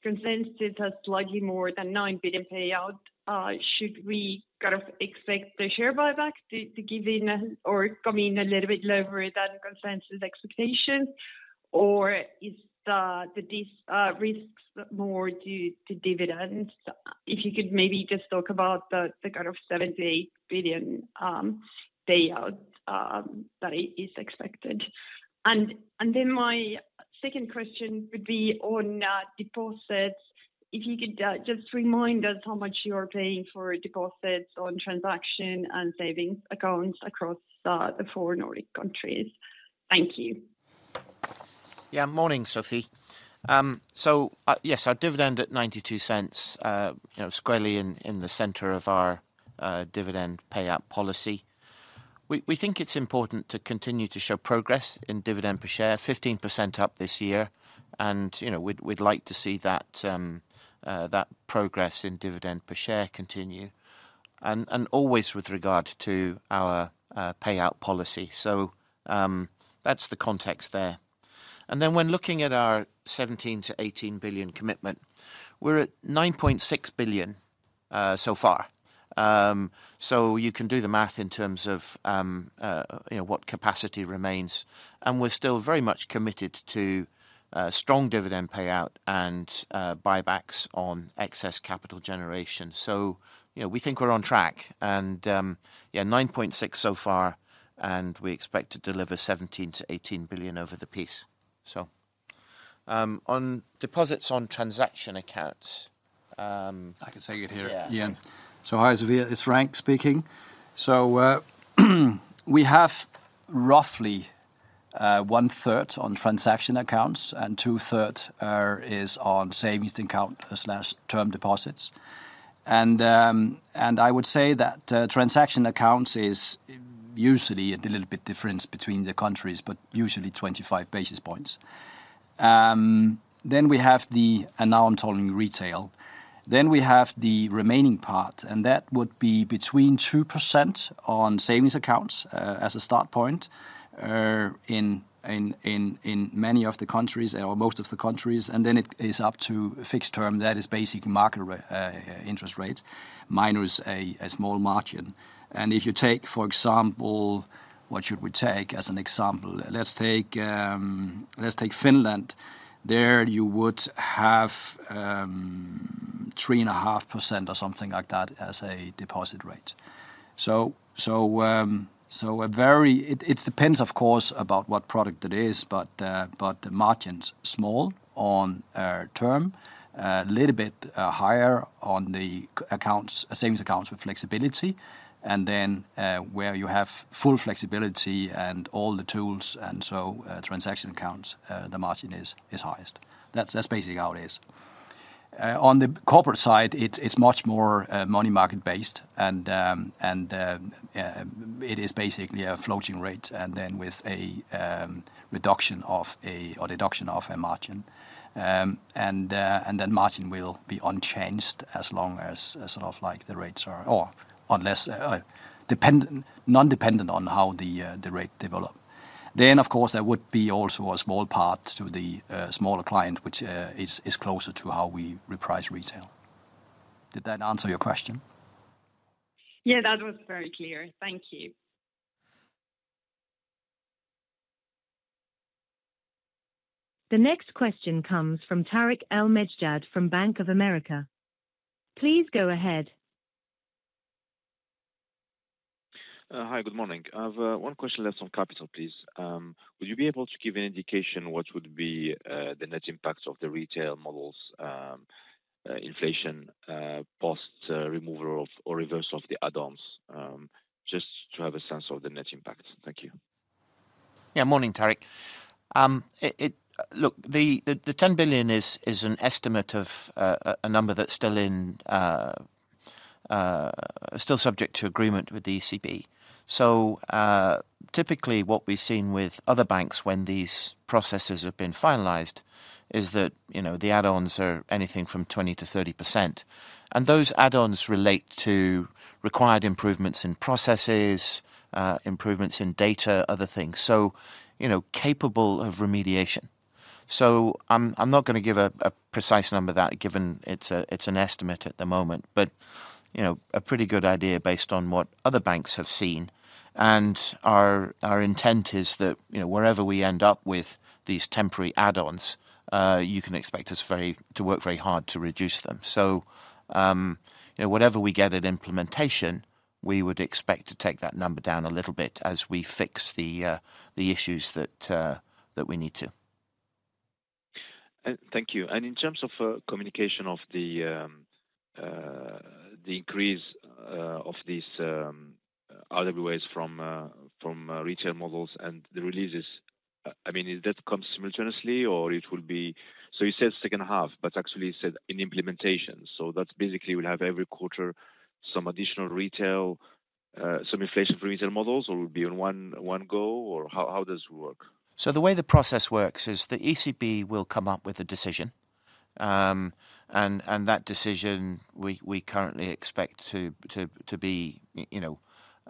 Consensus has slightly more than 9 billion payout. Should we kind of expect the share buyback to give in or come in a little bit lower than consensus expectations, or is the risks more to dividends? If you could maybe just talk about the kind of 7 billion-8 billion payout that is expected. And then my second question would be on deposits. If you could just remind us how much you are paying for deposits on transaction and savings accounts across the four Nordic countries. Thank you. Yeah. Morning, Sofie. So, yes, our dividend at 0.92, you know, squarely in the center of our dividend payout policy. We think it's important to continue to show progress in dividend per share, 15% up this year, and, you know, we'd like to see that progress in dividend per share continue, and always with regard to our payout policy. So, that's the context there. And then when looking at our 17 billion-18 billion commitment, we're at 9.6 billion so far. So you can do the math in terms of, you know, what capacity remains, and we're still very much committed to strong dividend payout and buybacks on excess capital generation. So, you know, we think we're on track, and, yeah, 9.6 so far, and we expect to deliver 17 billion-18 billion over the piece. So, on deposits on transaction accounts, I can say it here. Yeah. Yeah. So hi, Sofie, it's Frank speaking. So, we have roughly 1/3 on transaction accounts, and 2/3 is on savings accounts/term deposits. And I would say that transaction accounts is usually a little bit difference between the countries, but usually 25 basis points. Then we have the account retail. Then we have the remaining part, and that would be between 2% on savings accounts as a start point in many of the countries or most of the countries, and then it is up to a fixed term that is basically market interest rate minus a small margin. And if you take, for example, what should we take as an example? Let's take Finland. There, you would have 3.5% or something like that, as a deposit rate. So it's very depends, of course, about what product it is, but the margin's small on our term, a little bit higher on the current accounts, savings accounts with flexibility, and then, where you have full flexibility and all the tools, and so, transaction accounts, the margin is highest. That's basically how it is. On the corporate side, it's much more money market-based, and it is basically a floating rate, and then with a reduction of a, or deduction of a margin. And then margin will be unchanged as long as, sort of like the rates are... Or unless, non-dependent on how the rate develop. Then, of course, there would be also a small part to the smaller client, which is closer to how we reprice retail. Did that answer your question? Yeah, that was very clear. Thank you. The next question comes from Tarik El Mejjad from Bank of America. Please go ahead. Hi, good morning. I've one question left on capital, please. Would you be able to give an indication what would be the net impact of the retail models, inflation, post removal of, or reverse of the add-ons? Just to have a sense of the net impact. Thank you. Yeah, morning, Tarik. Look, the 10 billion is an estimate of a number that's still subject to agreement with the ECB. So, typically, what we've seen with other banks when these processes have been finalized is that, you know, the add-ons are anything from 20%-30%. And those add-ons relate to required improvements in processes, improvements in data, other things. So, you know, capable of remediation. So I'm not gonna give a precise number that, given it's an estimate at the moment, but, you know, a pretty good idea based on what other banks have seen. And our intent is that, you know, wherever we end up with these temporary add-ons, you can expect us to work very hard to reduce them. You know, whatever we get at implementation, we would expect to take that number down a little bit as we fix the issues that we need to. Thank you. And in terms of communication of the increase of these RWA from retail models and the releases, I mean, is that comes simultaneously or it will be... So you said second half, but actually you said in implementation. So that's basically we'll have every quarter some additional retail some inflation for retail models, or will be on one go, or how does it work? So the way the process works is the ECB will come up with a decision, and that decision, we currently expect to be, you know,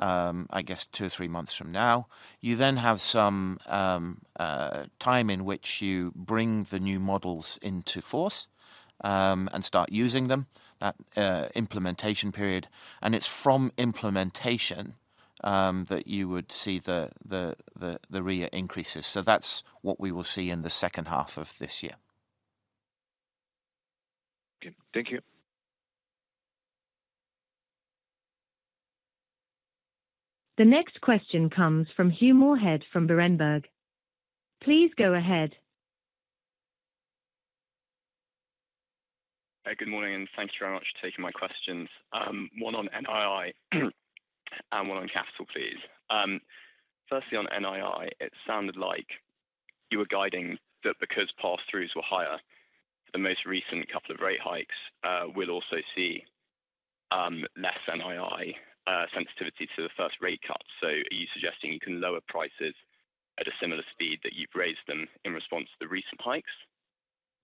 I guess two to three months from now. You then have some time in which you bring the new models into force, and start using them, that implementation period. And it's from implementation that you would see the REA increases. So that's what we will see in the second half of this year. Okay. Thank you. The next question comes from Hugh Moorhead from Berenberg. Please go ahead. Good morning, and thank you very much for taking my questions. One on NII, and one on capital, please. Firstly, on NII, it sounded like you were guiding that because pass-throughs were higher, the most recent couple of rate hikes will also see less NII sensitivity to the first rate cut. So are you suggesting you can lower prices at a similar speed that you've raised them in response to the recent hikes?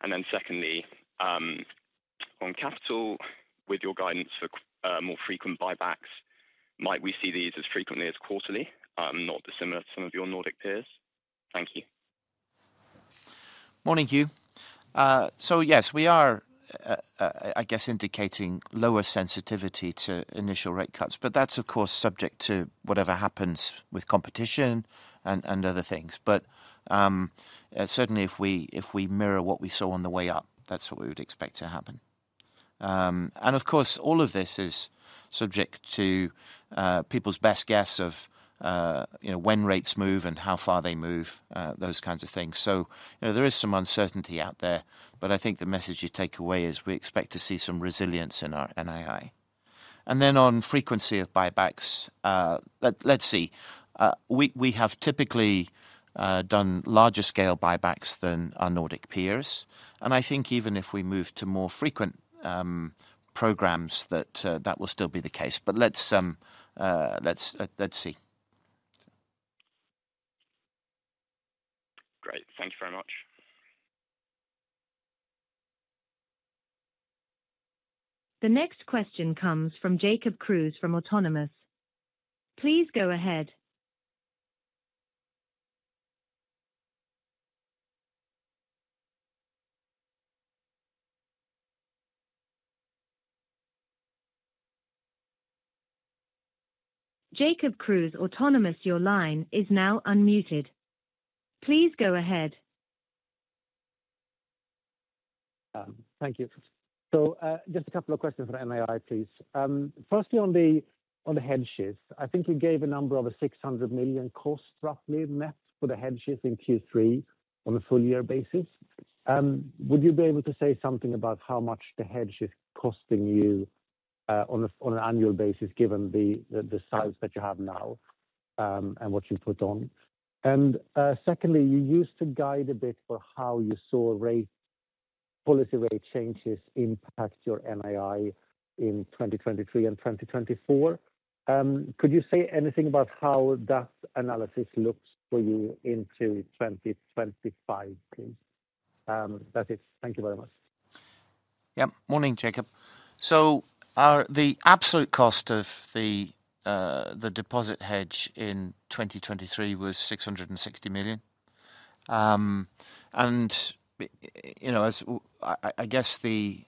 And then secondly, on capital, with your guidance for more frequent buybacks, might we see these as frequently as quarterly, not dissimilar to some of your Nordic peers? Thank you. Morning, Hugh. So yes, we are, I guess, indicating lower sensitivity to initial rate cuts, but that's, of course, subject to whatever happens with competition and other things. But certainly if we mirror what we saw on the way up, that's what we would expect to happen. And of course, all of this is subject to people's best guess of, you know, when rates move and how far they move, those kinds of things. So, you know, there is some uncertainty out there, but I think the message you take away is we expect to see some resilience in our NII. And then on frequency of buybacks, let's see. We have typically done larger scale buybacks than our Nordic peers, and I think even if we move to more frequent programs, that will still be the case. But let's see. Great. Thank you very much. The next question comes from Jacob Kruse from Autonomous. Please go ahead. Jacob Kruse, Autonomous, your line is now unmuted. Please go ahead. Thank you. So, just a couple of questions on NII, please. Firstly, on the hedge shift, I think you gave a number of a 600 million cost, roughly net for the hedge shift in Q3 on a full year basis. Would you be able to say something about how much the hedge is costing you, on an annual basis, given the size that you have now, and what you put on? And, secondly, you used to guide a bit for how you saw rate policy rate changes impact your NII in 2023 and 2024. Could you say anything about how that analysis looks for you into 2025, please? That's it. Thank you very much. Yeah. Morning, Jacob. So, the absolute cost of the deposit hedge in 2023 was 660 million. And, you know, I guess the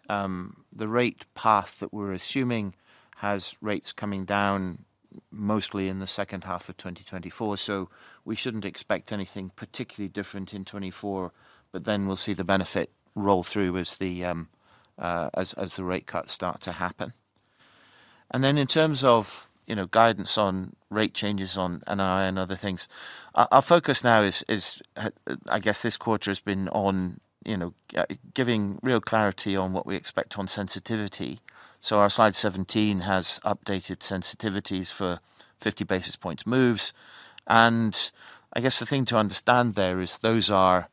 rate path that we're assuming has rates coming down mostly in the second half of 2024, so we shouldn't expect anything particularly different in 2024, but then we'll see the benefit roll through as the rate cuts start to happen. And then in terms of, you know, guidance on rate changes on NII other things, our focus now is, I guess this quarter has been on, you know, giving real clarity on what we expect on sensitivity. So our slide 17 has updated sensitivities for 50 basis points moves. And I guess the thing to understand there is those are,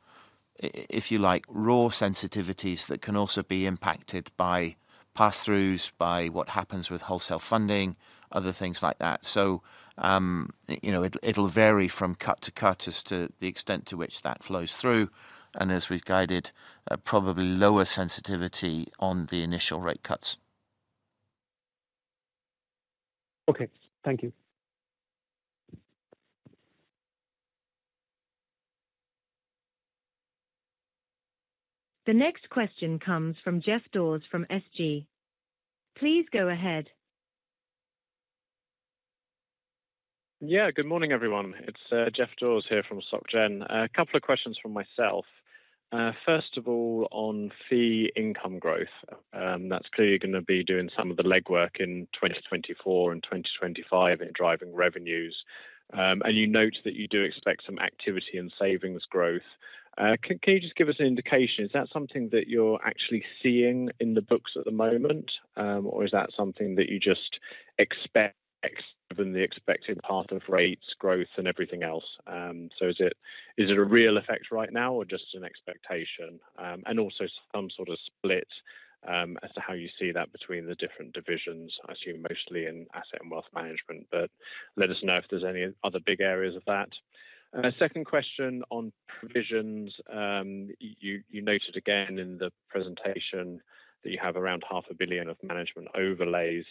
if you like, raw sensitivities that can also be impacted by pass-throughs, by what happens with wholesale funding, other things like that. So, you know, it, it'll vary from cut to cut as to the extent to which that flows through, and as we've guided, probably lower sensitivity on the initial rate cuts. Okay. Thank you. The next question comes from Geoff Dawes from SG. Please go ahead. Yeah, good morning, everyone. It's Geoff Dawes here from SocGen. A couple of questions from myself. First of all, on fee income growth, that's clearly going to be doing some of the legwork in 2024 and 2025 in driving revenues. And you note that you do expect some activity in savings growth. Can you just give us an indication, is that something that you're actually seeing in the books at the moment? Or is that something that you just expect given the expected path of rates, growth, and everything else? So is it, is it a real effect right now or just an expectation? And also some sort of split as to how you see that between the different divisions. I assume mostly in Asset & Wealth Management, but let us know if there's any other big areas of that. Second question on provisions. You noted again in the presentation that you have around 500 million of management overlays.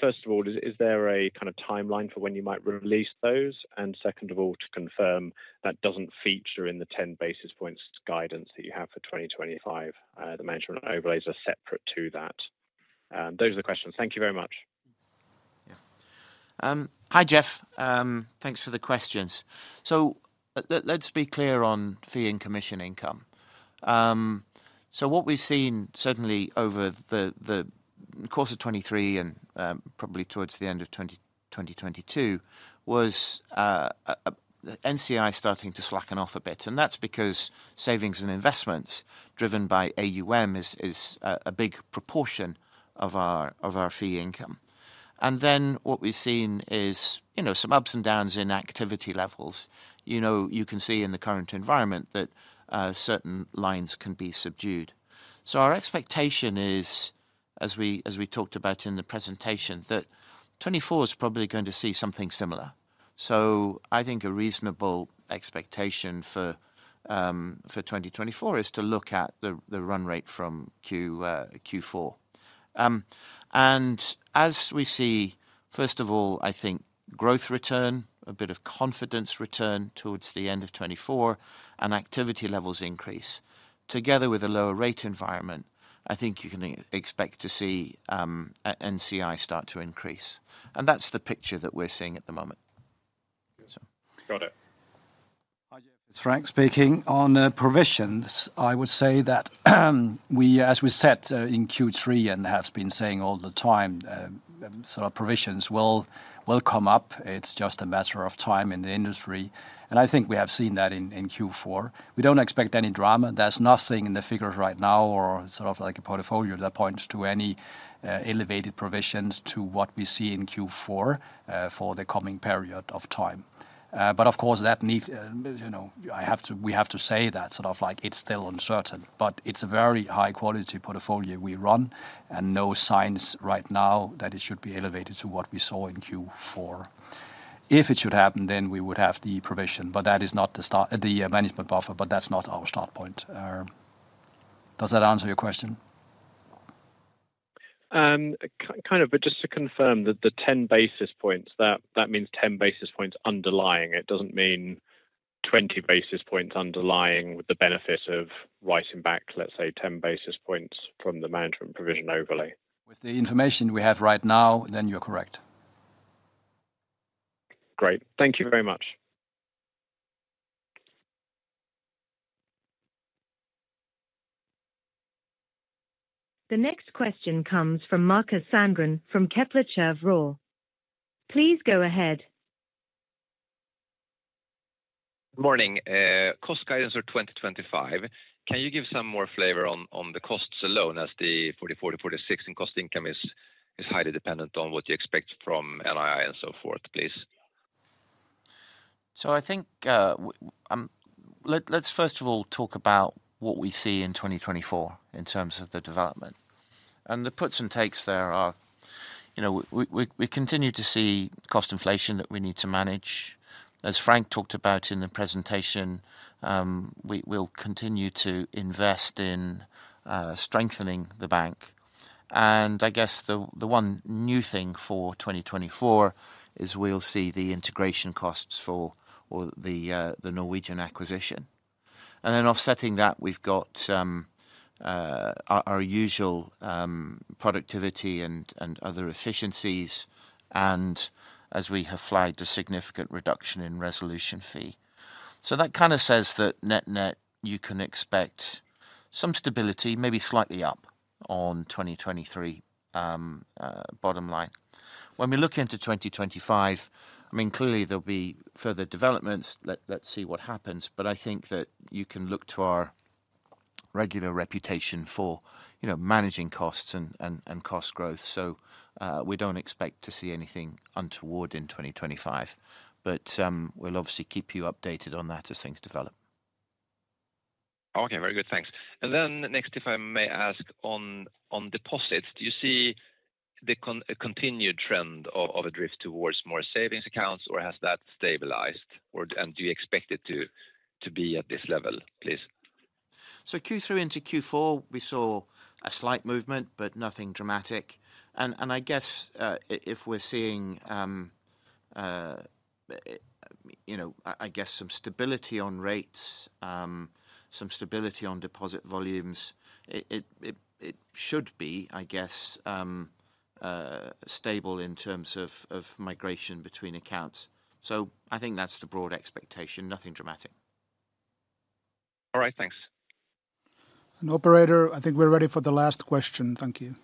First of all, is there a kind of timeline for when you might release those? And second of all, to confirm that doesn't feature in the 10 basis points guidance that you have for 2025. The management overlays are separate to that. Those are the questions. Thank you very much. Yeah. Hi, Geoff. Thanks for the questions. So let's be clear on fee and commission income. So what we've seen certainly over the course of 2023 and probably towards the end of 2022 was the NCI is starting to slacken off a bit, and that's because savings and investments driven by AUM is a big proportion of our fee income. And then what we've seen is, you know, some ups and downs in activity levels. You know, you can see in the current environment that certain lines can be subdued. So our expectation is, as we talked about in the presentation, that 2024 is probably going to see something similar. So I think a reasonable expectation for 2024 is to look at the run rate from Q4. And as we see, first of all, I think growth return, a bit of confidence return towards the end of 2024, and activity levels increase. Together with a lower rate environment, I think you can expect to see NCI start to increase, and that's the picture that we're seeing at the moment. Got it. Hi, Geoff. It's Frank speaking. On provisions, I would say that we as we said in Q3, and have been saying all the time, so our provisions will come up. It's just a matter of time in the industry, and I think we have seen that in Q4. We don't expect any drama. There's nothing in the figures right now or sort of like a portfolio that points to any elevated provisions to what we see in Q4 for the coming period of time. But of course, that needs you know, I have to we have to say that sort of like it's still uncertain, but it's a very high-quality portfolio we run, and no signs right now that it should be elevated to what we saw in Q4. If it should happen, then we would have the provision, but that is not the management buffer, but that's not our start point. Does that answer your question? Kind of, but just to confirm that the 10 basis points means 10 basis points underlying. It doesn't mean 20 basis points underlying with the benefit of writing back, let's say, 10 basis points from the management provision overlay? With the information we have right now, then you're correct. Great. Thank you very much. The next question comes from Markus Sandgren from Kepler Cheuvreux. Please go ahead. Morning. Cost guidance for 2025, can you give some more flavor on the costs alone as the 44%-46% in cost-income is highly dependent on what you expect from NII and so forth, please? So I think, let's first of all talk about what we see in 2024 in terms of the development. And the puts and takes there are, you know, we, we, we continue to see cost inflation that we need to manage. As Frank talked about in the presentation, we, we'll continue to invest in, strengthening the bank. And I guess the, the one new thing for 2024 is we'll see the integration costs for all the, the Norwegian acquisition. And then offsetting that, we've got, our, our usual, productivity and, and other efficiencies, and as we have flagged, a significant reduction in resolution fee. So that kind of says that net-net, you can expect some stability, maybe slightly up on 2023, bottom line. When we look into 2025, I mean, clearly there'll be further developments. Let's see what happens, but I think that you can look to our regular reputation for, you know, managing costs and cost growth. So, we don't expect to see anything untoward in 2025, but, we'll obviously keep you updated on that as things develop. Okay, very good. Thanks. And then next, if I may ask on deposits, do you see a continued trend of a drift towards more savings accounts, or has that stabilized? Or do you expect it to be at this level, please? So Q3 into Q4, we saw a slight movement, but nothing dramatic. And I guess if we're seeing, you know, I guess some stability on rates, some stability on deposit volumes, it should be, I guess, stable in terms of of migration between accounts. So I think that's the broad expectation. Nothing dramatic. All right, thanks. Operator, I think we're ready for the last question. Thank you.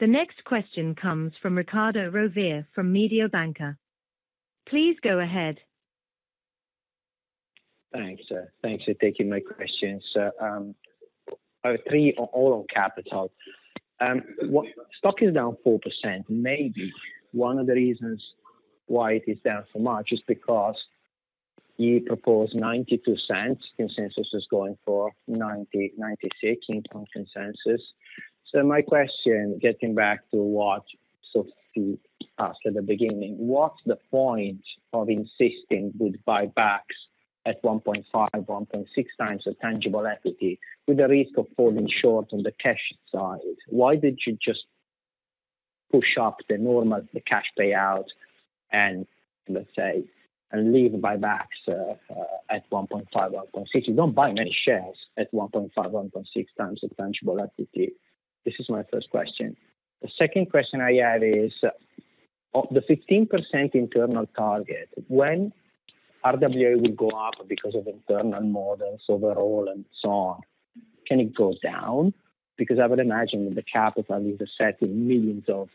The next question comes from Riccardo Rovere from Mediobanca. Please go ahead. Thanks, thanks for taking my questions. Three questions all on capital. What... Stock is down 4%. Maybe one of the reasons why it is down so much is because you proposed 0.92. Consensus is going for 0.90-0.96 in term consensus. So my question, getting back to what Sofie asked at the beginning: What's the point of insisting with buybacks at 1.5x-1.6x the tangible equity, with the risk of falling short on the cash side? Why didn't you just push up the normal, the cash payout and let's say, and leave buybacks at 1.5x-1.6x? You don't buy many shares at 1.5x-1.6x the tangible equity. This is my first question. The second question I have is— Of the 15% internal target, when RWA will go up because of internal models overall and so on, can it go down? Because I would imagine that the capital is set in millions of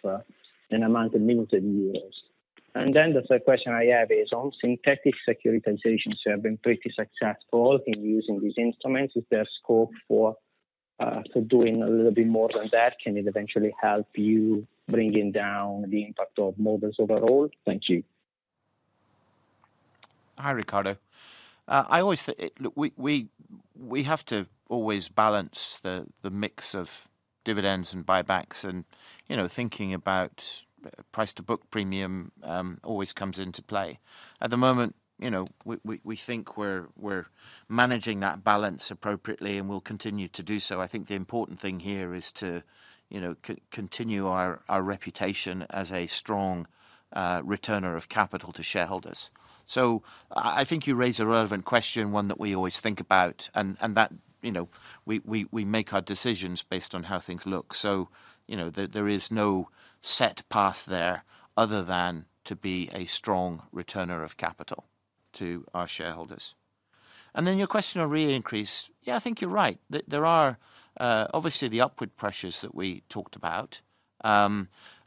an amount of millions of euros. And then the third question I have is on synthetic securitizations. You have been pretty successful in using these instruments. Is there scope for, for doing a little bit more than that? Can it eventually help you bringing down the impact of models overall? Thank you. Hi, Riccardo. Look, we have to always balance the mix of dividends and buybacks, and, you know, thinking about price-to-book premium always comes into play. At the moment, you know, we think we're managing that balance appropriately, and we'll continue to do so. I think the important thing here is to, you know, continue our reputation as a strong returner of capital to shareholders. So I think you raise a relevant question, one that we always think about, and that, you know, we make our decisions based on how things look. So, you know, there is no set path there other than to be a strong returner of capital to our shareholders. And then your question on REA increase. Yeah, I think you're right. There are obviously the upward pressures that we talked about.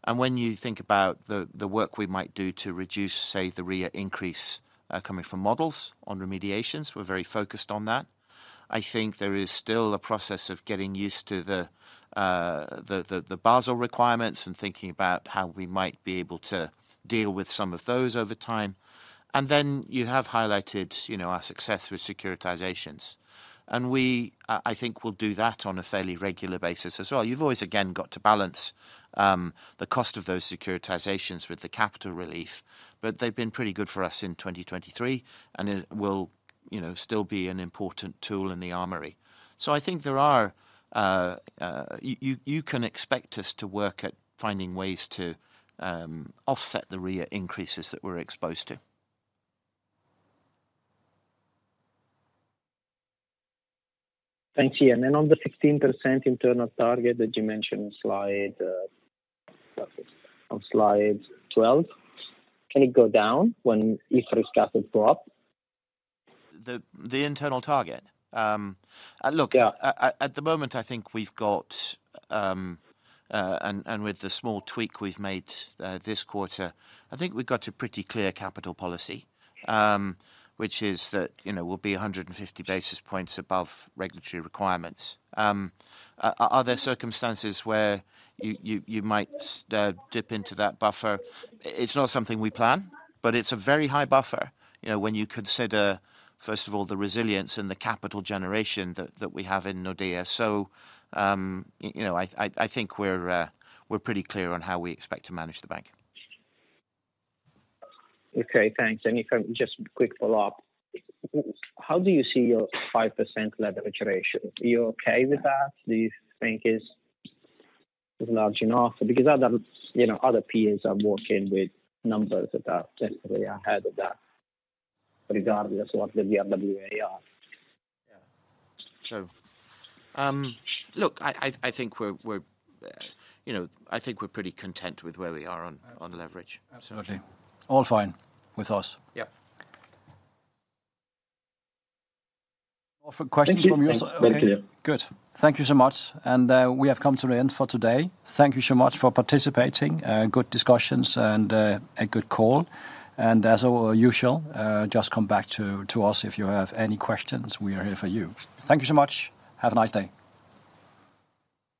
And when you think about the work we might do to reduce, say, the REA increase coming from models on remediations, we're very focused on that. I think there is still a process of getting used to the Basel requirements and thinking about how we might be able to deal with some of those over time. And then you have highlighted, you know, our success with securitizations, and we, I think will do that on a fairly regular basis as well. You've always, again, got to balance the cost of those securitizations with the capital relief, but they've been pretty good for us in 2023, and it will, you know, still be an important tool in the armory. So I think there are— You, you can expect us to work at finding ways to offset the REA increases that we're exposed to. Thanks, Ian. On the 16% internal target that you mentioned on slide 12, can it go down if risk capital go up? The internal target? Look- Yeah. At the moment, I think we've got, and with the small tweak we've made this quarter, I think we've got a pretty clear capital policy, which is that, you know, we'll be 150 basis points above regulatory requirements. Are there circumstances where you might dip into that buffer? It's not something we plan, but it's a very high buffer, you know, when you consider, first of all, the resilience and the capital generation that we have in Nordea. So, you know, I think we're pretty clear on how we expect to manage the bank. Okay, thanks. Just a quick follow-up. How do you see your 5% leverage ratio? Are you okay with that? Do you think it's large enough? Because other, you know, other peers are working with numbers that are definitely ahead of that, regardless of what the RWA are. Yeah. So, look, I think we're, you know, I think we're pretty content with where we are on- Absolutely. On leverage. Absolutely. All fine with us. Yeah. More for questions from you, sir- Thank you. Thank you. Okay, good. Thank you so much. And we have come to the end for today. Thank you so much for participating, good discussions and a good call. And as usual, just come back to us if you have any questions. We are here for you. Thank you so much. Have a nice day.